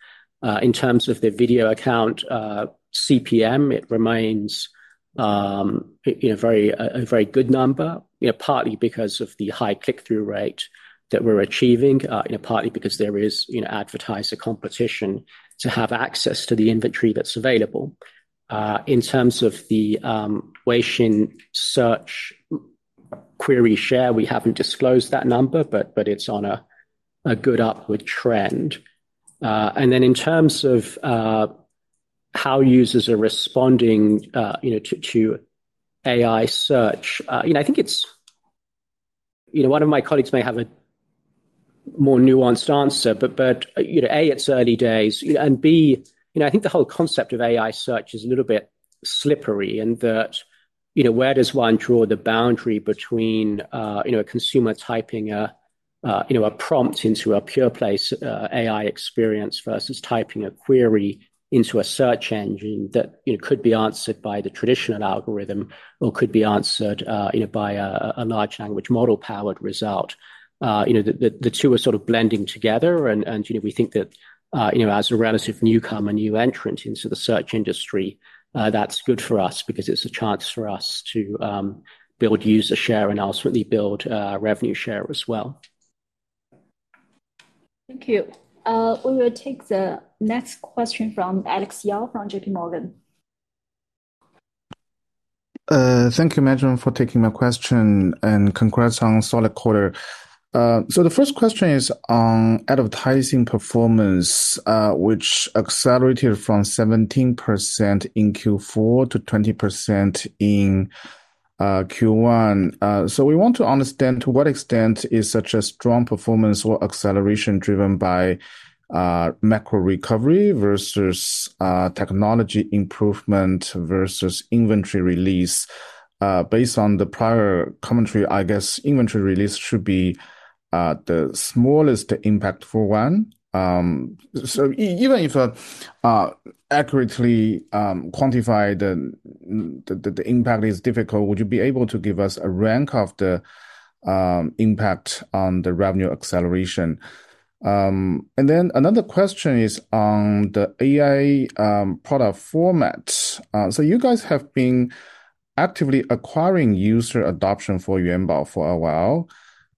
In terms of the Video Accounts CPM, it remains a very good number, partly because of the high click-through rate that we're achieving, partly because there is advertiser competition to have access to the inventory that's available. In terms of the Weixin Search query share, we haven't disclosed that number, but it's on a good upward trend. In terms of how users are responding to AI search, I think one of my colleagues may have a more nuanced answer. A, it's early days. B, I think the whole concept of AI search is a little bit slippery in that where does one draw the boundary between a consumer typing a prompt into a pure-play AI experience versus typing a query into a search engine that could be answered by the traditional algorithm or could be answered by a large language model-powered result? The two are sort of blending together. We think that as a relative newcomer, new entrant into the search industry, that's good for us because it's a chance for us to build user share and ultimately build revenue share as well. Thank you. We will take the next question from Alex Yao from JPMorgan. Thank you, for taking my question. Congrats on solid quarter. The first question is on advertising performance, which accelerated from 17% in Q4 to 20% in Q1. We want to understand to what extent is such a strong performance or acceleration driven by macro recovery versus technology improvement versus inventory release. Based on the prior commentary, I guess inventory release should be the smallest impact for one. Even if accurately quantified, the impact is difficult. Would you be able to give us a rank of the impact on the revenue acceleration? Another question is on the AI product format. You guys have been actively acquiring user adoption for Yuanbao for a while.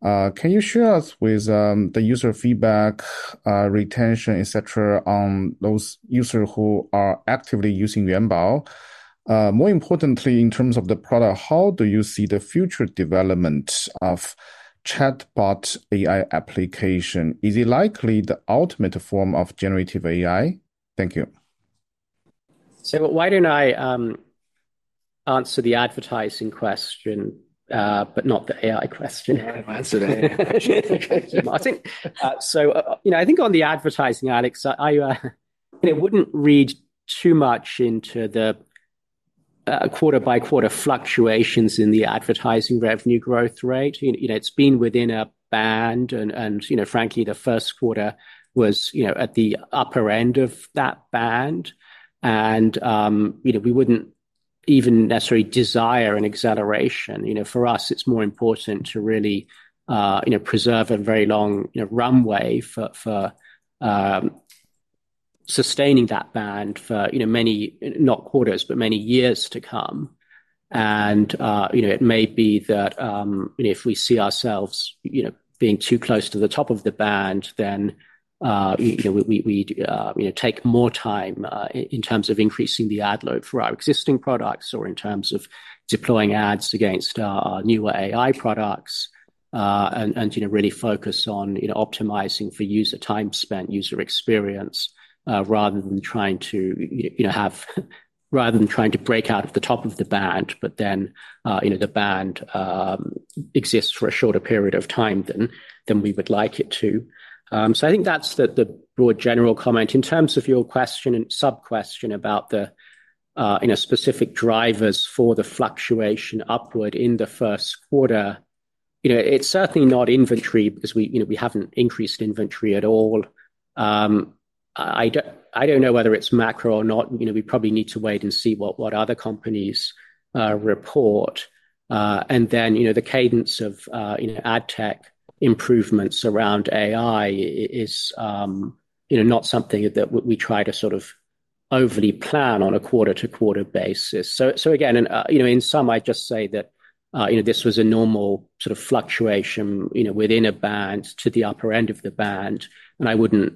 Can you share us with the user feedback, retention, et cetera, on those users who are actively using Yuanbao? More importantly, in terms of the product, how do you see the future development of chatbot AI application? Is it likely the ultimate form of generative AI? Thank you. Why don't I answer the advertising question, but not the AI question? I think on the advertising, Alex, I wouldn't read too much into the quarter-by-quarter fluctuations in the advertising revenue growth rate. It's been within a band. Frankly, the first quarter was at the upper end of that band. We wouldn't even necessarily desire an acceleration. For us, it's more important to really preserve a very long runway for sustaining that band for many, not quarters, but many years to come. It may be that if we see ourselves being too close to the top of the band, then we take more time in terms of increasing the ad load for our existing products or in terms of deploying ads against our newer AI products and really focus on optimizing for user time spent, user experience, rather than trying to break out of the top of the band, but then the band exists for a shorter period of time than we would like it to. I think that's the broad general comment. In terms of your question and sub-question about the specific drivers for the fluctuation upward in the first quarter, it's certainly not inventory because we haven't increased inventory at all. I don't know whether it's macro or not. We probably need to wait and see what other companies report. The cadence of ad tech improvements around AI is not something that we try to sort of overly plan on a quarter-to-quarter basis. In sum, I'd just say that this was a normal sort of fluctuation within a band to the upper end of the band. I wouldn't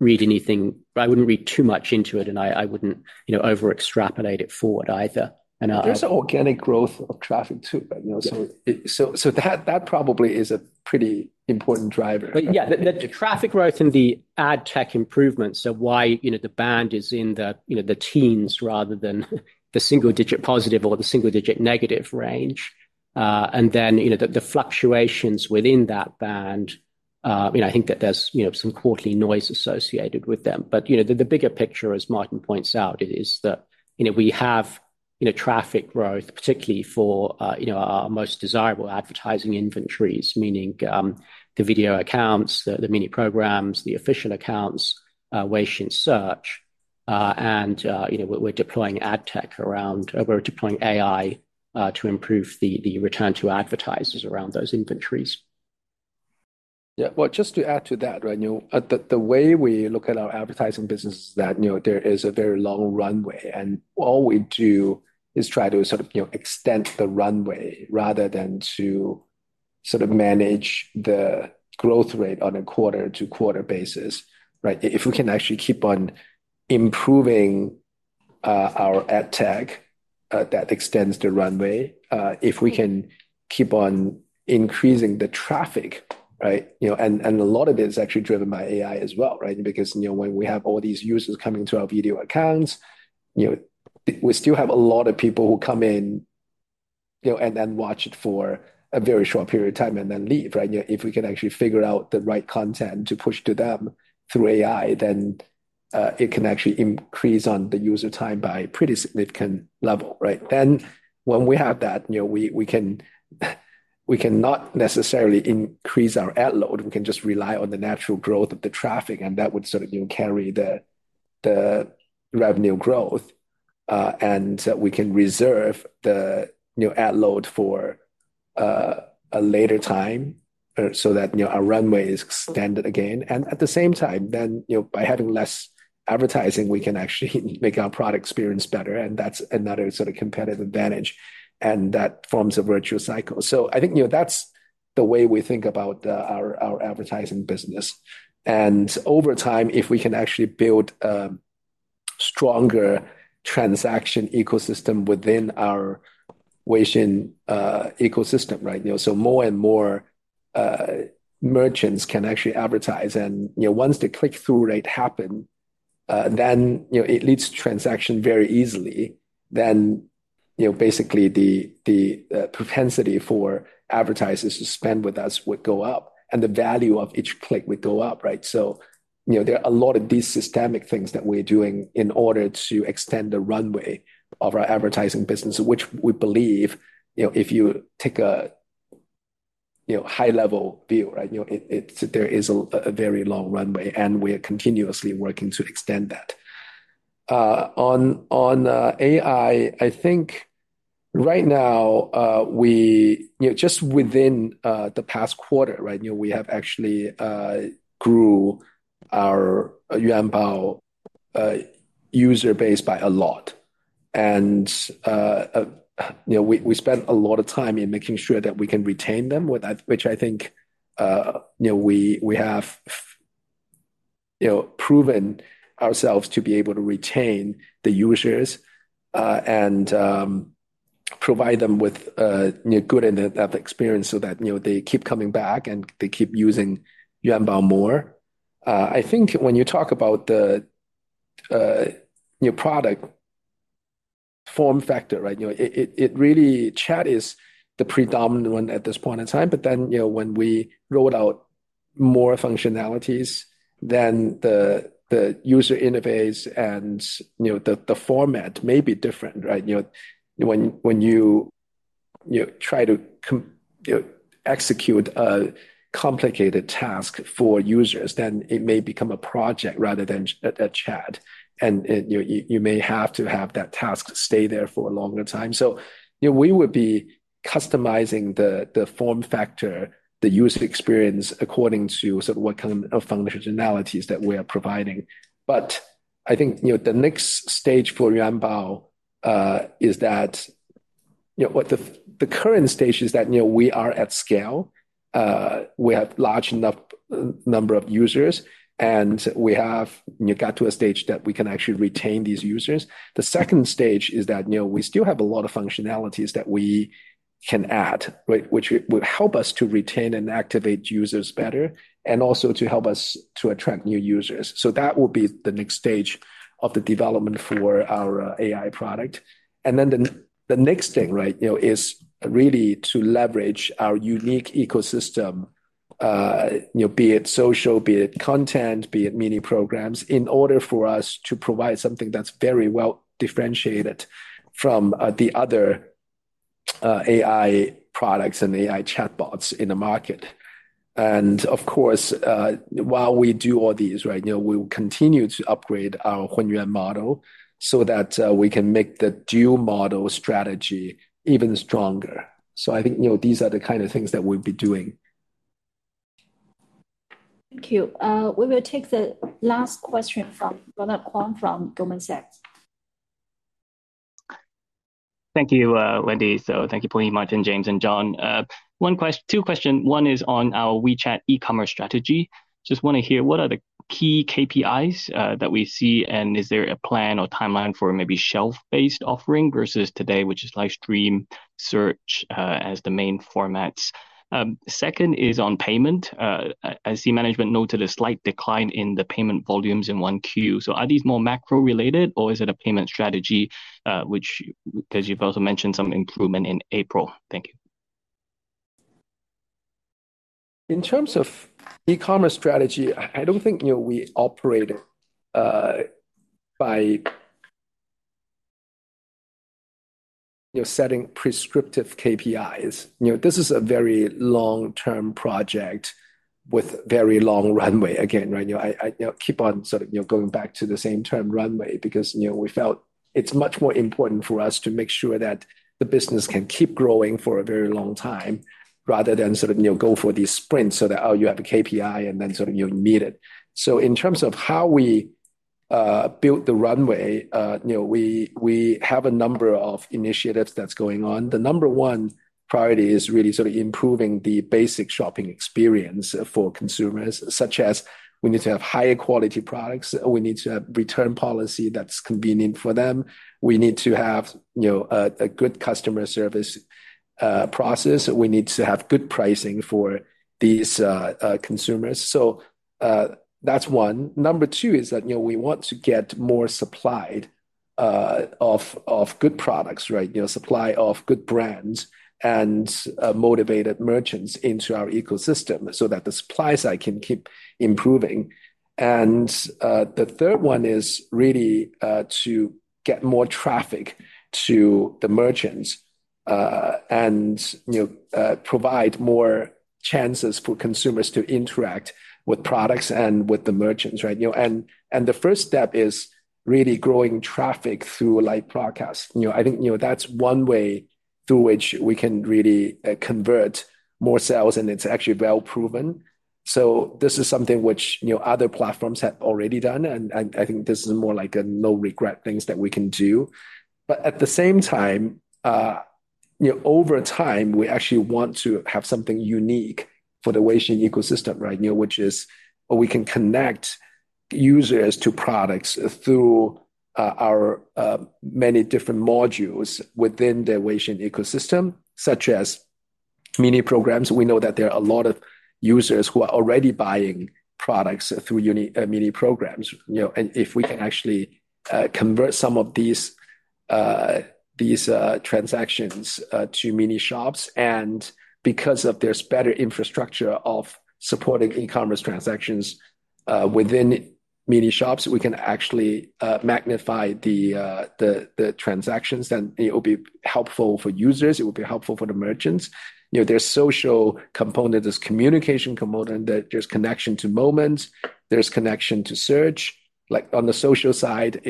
read too much into it, and I wouldn't over-extrapolate it forward either. There's an organic growth of traffic too. That probably is a pretty important driver. Yeah, the traffic growth and the ad tech improvements are why the band is in the teens rather than the single-digit positive or the single-digit negative range. The fluctuations within that band, I think that there's some quarterly noise associated with them. The bigger picture, as Martin points out, is that we have traffic growth, particularly for our most desirable advertising inventories, meaning the Video Accounts, the Mini Programs, the Official Accounts, Weixin Search. We're deploying ad tech around, we're deploying AI to improve the return to advertisers around those inventories. Yeah. Just to add to that, right, the way we look at our advertising business is that there is a very long runway. All we do is try to sort of extend the runway rather than to sort of manage the growth rate on a quarter-to-quarter basis. If we can actually keep on improving our ad tech, that extends the runway. If we can keep on increasing the traffic, right, and a lot of it is actually driven by AI as well, right, because when we have all these users coming to our video accounts, we still have a lot of people who come in and then watch it for a very short period of time and then leave, right? If we can actually figure out the right content to push to them through AI, then it can actually increase on the user time by a pretty significant level, right? When we have that, we can not necessarily increase our ad load. We can just rely on the natural growth of the traffic, and that would sort of carry the revenue growth. We can reserve the ad load for a later time so that our runway is extended again. At the same time, by having less advertising, we can actually make our product experience better. That's another sort of competitive advantage. That forms a virtuous cycle. I think that's the way we think about our advertising business. Over time, if we can actually build a stronger transaction ecosystem within our Weixin ecosystem, right, more and more merchants can actually advertise. Once the click-through rate happens, it leads to transaction very easily. Basically, the propensity for advertisers to spend with us would go up, and the value of each click would go up, right? There are a lot of these systemic things that we are doing in order to extend the runway of our advertising business, which we believe if you take a high-level view, right, there is a very long runway, and we are continuously working to extend that. On AI, I think right now, just within the past quarter, we have actually grew our Yuanbao user base by a lot. We spent a lot of time in making sure that we can retain them, which I think we have proven ourselves to be able to retain the users and provide them with good enough experience so that they keep coming back and they keep using Yuan Bao more. I think when you talk about the product form factor, right, chat is the predominant one at this point in time. When we rolled out more functionalities, then the user interface and the format may be different, right? When you try to execute a complicated task for users, then it may become a project rather than a chat. You may have to have that task stay there for a longer time. We would be customizing the form factor, the user experience according to sort of what kind of functionalities that we are providing. I think the next stage for Yuanbao is that the current stage is that we are at scale. We have a large enough number of users, and we have got to a stage that we can actually retain these users. The second stage is that we still have a lot of functionalities that we can add, right, which would help us to retain and activate users better and also to help us to attract new users. That will be the next stage of the development for our AI product. The next thing, right, is really to leverage our unique ecosystem, be it social, be it content, be it Mini Programs, in order for us to provide something that's very well differentiated from the other AI products and AI chatbots in the market. Of course, while we do all these, right, we will continue to upgrade our HunYuan model so that we can make the DUE model strategy even stronger. I think these are the kind of things that we'll be doing. Thank you. We will take the last question from Ronald Keung from Goldman Sachs. Thank you, Wendy. Thank you, Pony, Martin, James, and John. Two questions. One is on our WeChat e-commerce strategy. Just want to hear what are the key KPIs that we see, and is there a plan or timeline for maybe shelf-based offering versus today, which is live stream search as the main formats? Second is on payment. I see management noted a slight decline in the payment volumes in Q1. Are these more macro-related, or is it a payment strategy? Because you've also mentioned some improvement in April. Thank you. In terms of e-commerce strategy, I don't think we operate by setting prescriptive KPIs. This is a very long-term project with a very long runway. Again, right, I keep on sort of going back to the same term, runway, because we felt it's much more important for us to make sure that the business can keep growing for a very long time rather than sort of go for these sprints so that you have a KPI and then sort of you'll meet it. In terms of how we build the runway, we have a number of initiatives that's going on. The number one priority is really sort of improving the basic shopping experience for consumers, such as we need to have higher quality products. We need to have a return policy that's convenient for them. We need to have a good customer service process. We need to have good pricing for these consumers. That is one. Number two is that we want to get more supply of good products, right, supply of good brands and motivated merchants into our ecosystem so that the supply side can keep improving. The third one is really to get more traffic to the merchants and provide more chances for consumers to interact with products and with the merchants, right? The first step is really growing traffic through live broadcasts. I think that is one way through which we can really convert more sales, and it is actually well proven. This is something which other platforms have already done. I think this is more like a no-regret thing that we can do. At the same time, over time, we actually want to have something unique for the Weixin ecosystem, right, which is we can connect users to products through our many different modules within the Weixin ecosystem, such as mini programs. We know that there are a lot of users who are already buying products through mini programs. If we can actually convert some of these transactions to mini shops, and because there is better infrastructure of supporting e-commerce transactions within mini shops, we can actually magnify the transactions, it will be helpful for users. It will be helpful for the merchants. There is social component. There is communication component. There is connection to moments. There is connection to search. On the social side,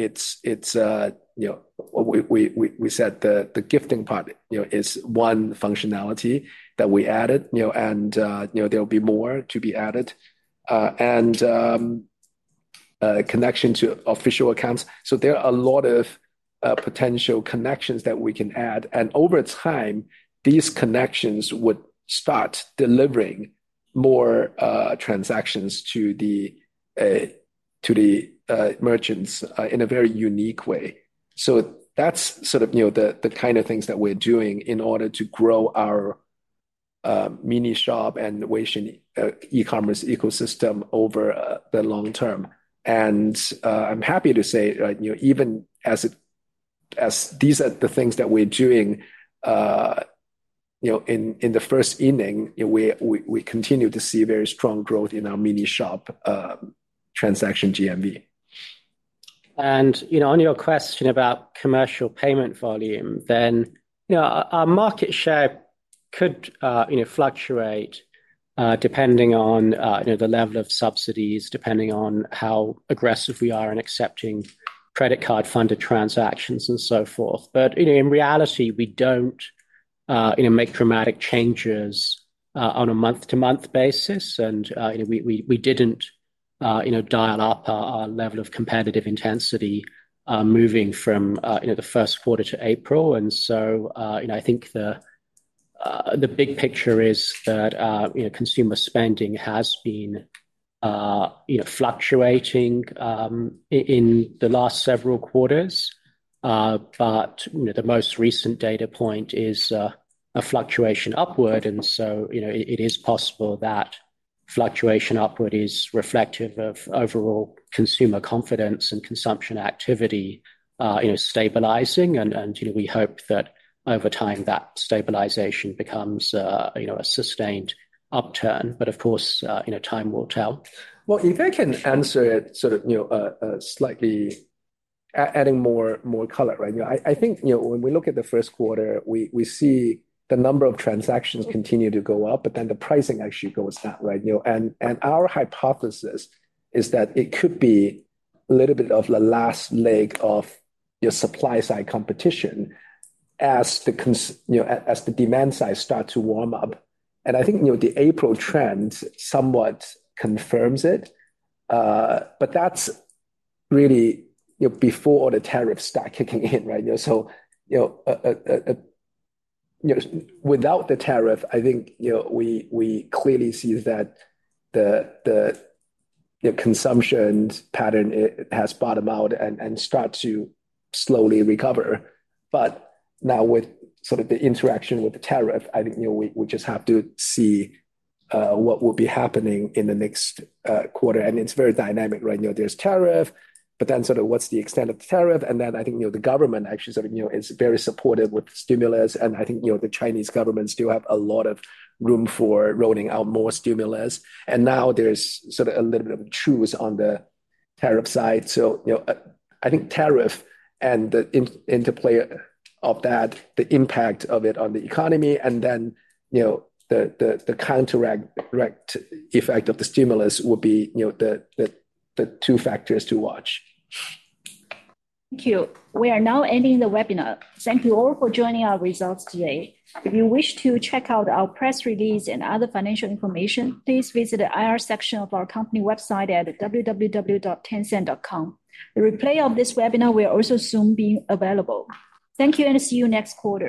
we said the gifting part is one functionality that we added, and there will be more to be added. There is connection to official accounts. There are a lot of potential connections that we can add. Over time, these connections would start delivering more transactions to the merchants in a very unique way. That is sort of the kind of things that we are doing in order to grow our mini shop and Weixin e-commerce ecosystem over the long term. I am happy to say, right, even as these are the things that we are doing in the first inning, we continue to see very strong growth in our mini shop transaction GMV. On your question about commercial payment volume, our market share could fluctuate depending on the level of subsidies, depending on how aggressive we are in accepting credit card-funded transactions and so forth. In reality, we do not make dramatic changes on a month-to-month basis. We did not dial up our level of competitive intensity moving from the first quarter to April. I think the big picture is that consumer spending has been fluctuating in the last several quarters. The most recent data point is a fluctuation upward. It is possible that fluctuation upward is reflective of overall consumer confidence and consumption activity stabilizing. We hope that over time, that stabilization becomes a sustained upturn. Of course, time will tell. If I can answer it sort of slightly adding more color, right, I think when we look at the first quarter, we see the number of transactions continue to go up, but then the pricing actually goes down, right? Our hypothesis is that it could be a little bit of the last leg of your supply side competition as the demand side starts to warm up. I think the April trend somewhat confirms it. That is really before the tariffs start kicking in, right? Without the tariff, I think we clearly see that the consumption pattern has bottomed out and starts to slowly recover. Now with sort of the interaction with the tariff, I think we just have to see what will be happening in the next quarter. It is very dynamic, right? There is tariff, but then sort of what is the extent of the tariff? I think the government actually sort of is very supportive with stimulus. I think the Chinese government still has a lot of room for rolling out more stimulus. Now there is sort of a little bit of a choose on the tariff side. I think tariff and the interplay of that, the impact of it on the economy, and then the counteract effect of the stimulus would be the two factors to watch. Thank you. We are now ending the webinar. Thank you all for joining our results today. If you wish to check out our press release and other financial information, please visit the IR section of our company website at www.tencent.com. The replay of this webinar will also soon be available. Thank you and see you next quarter.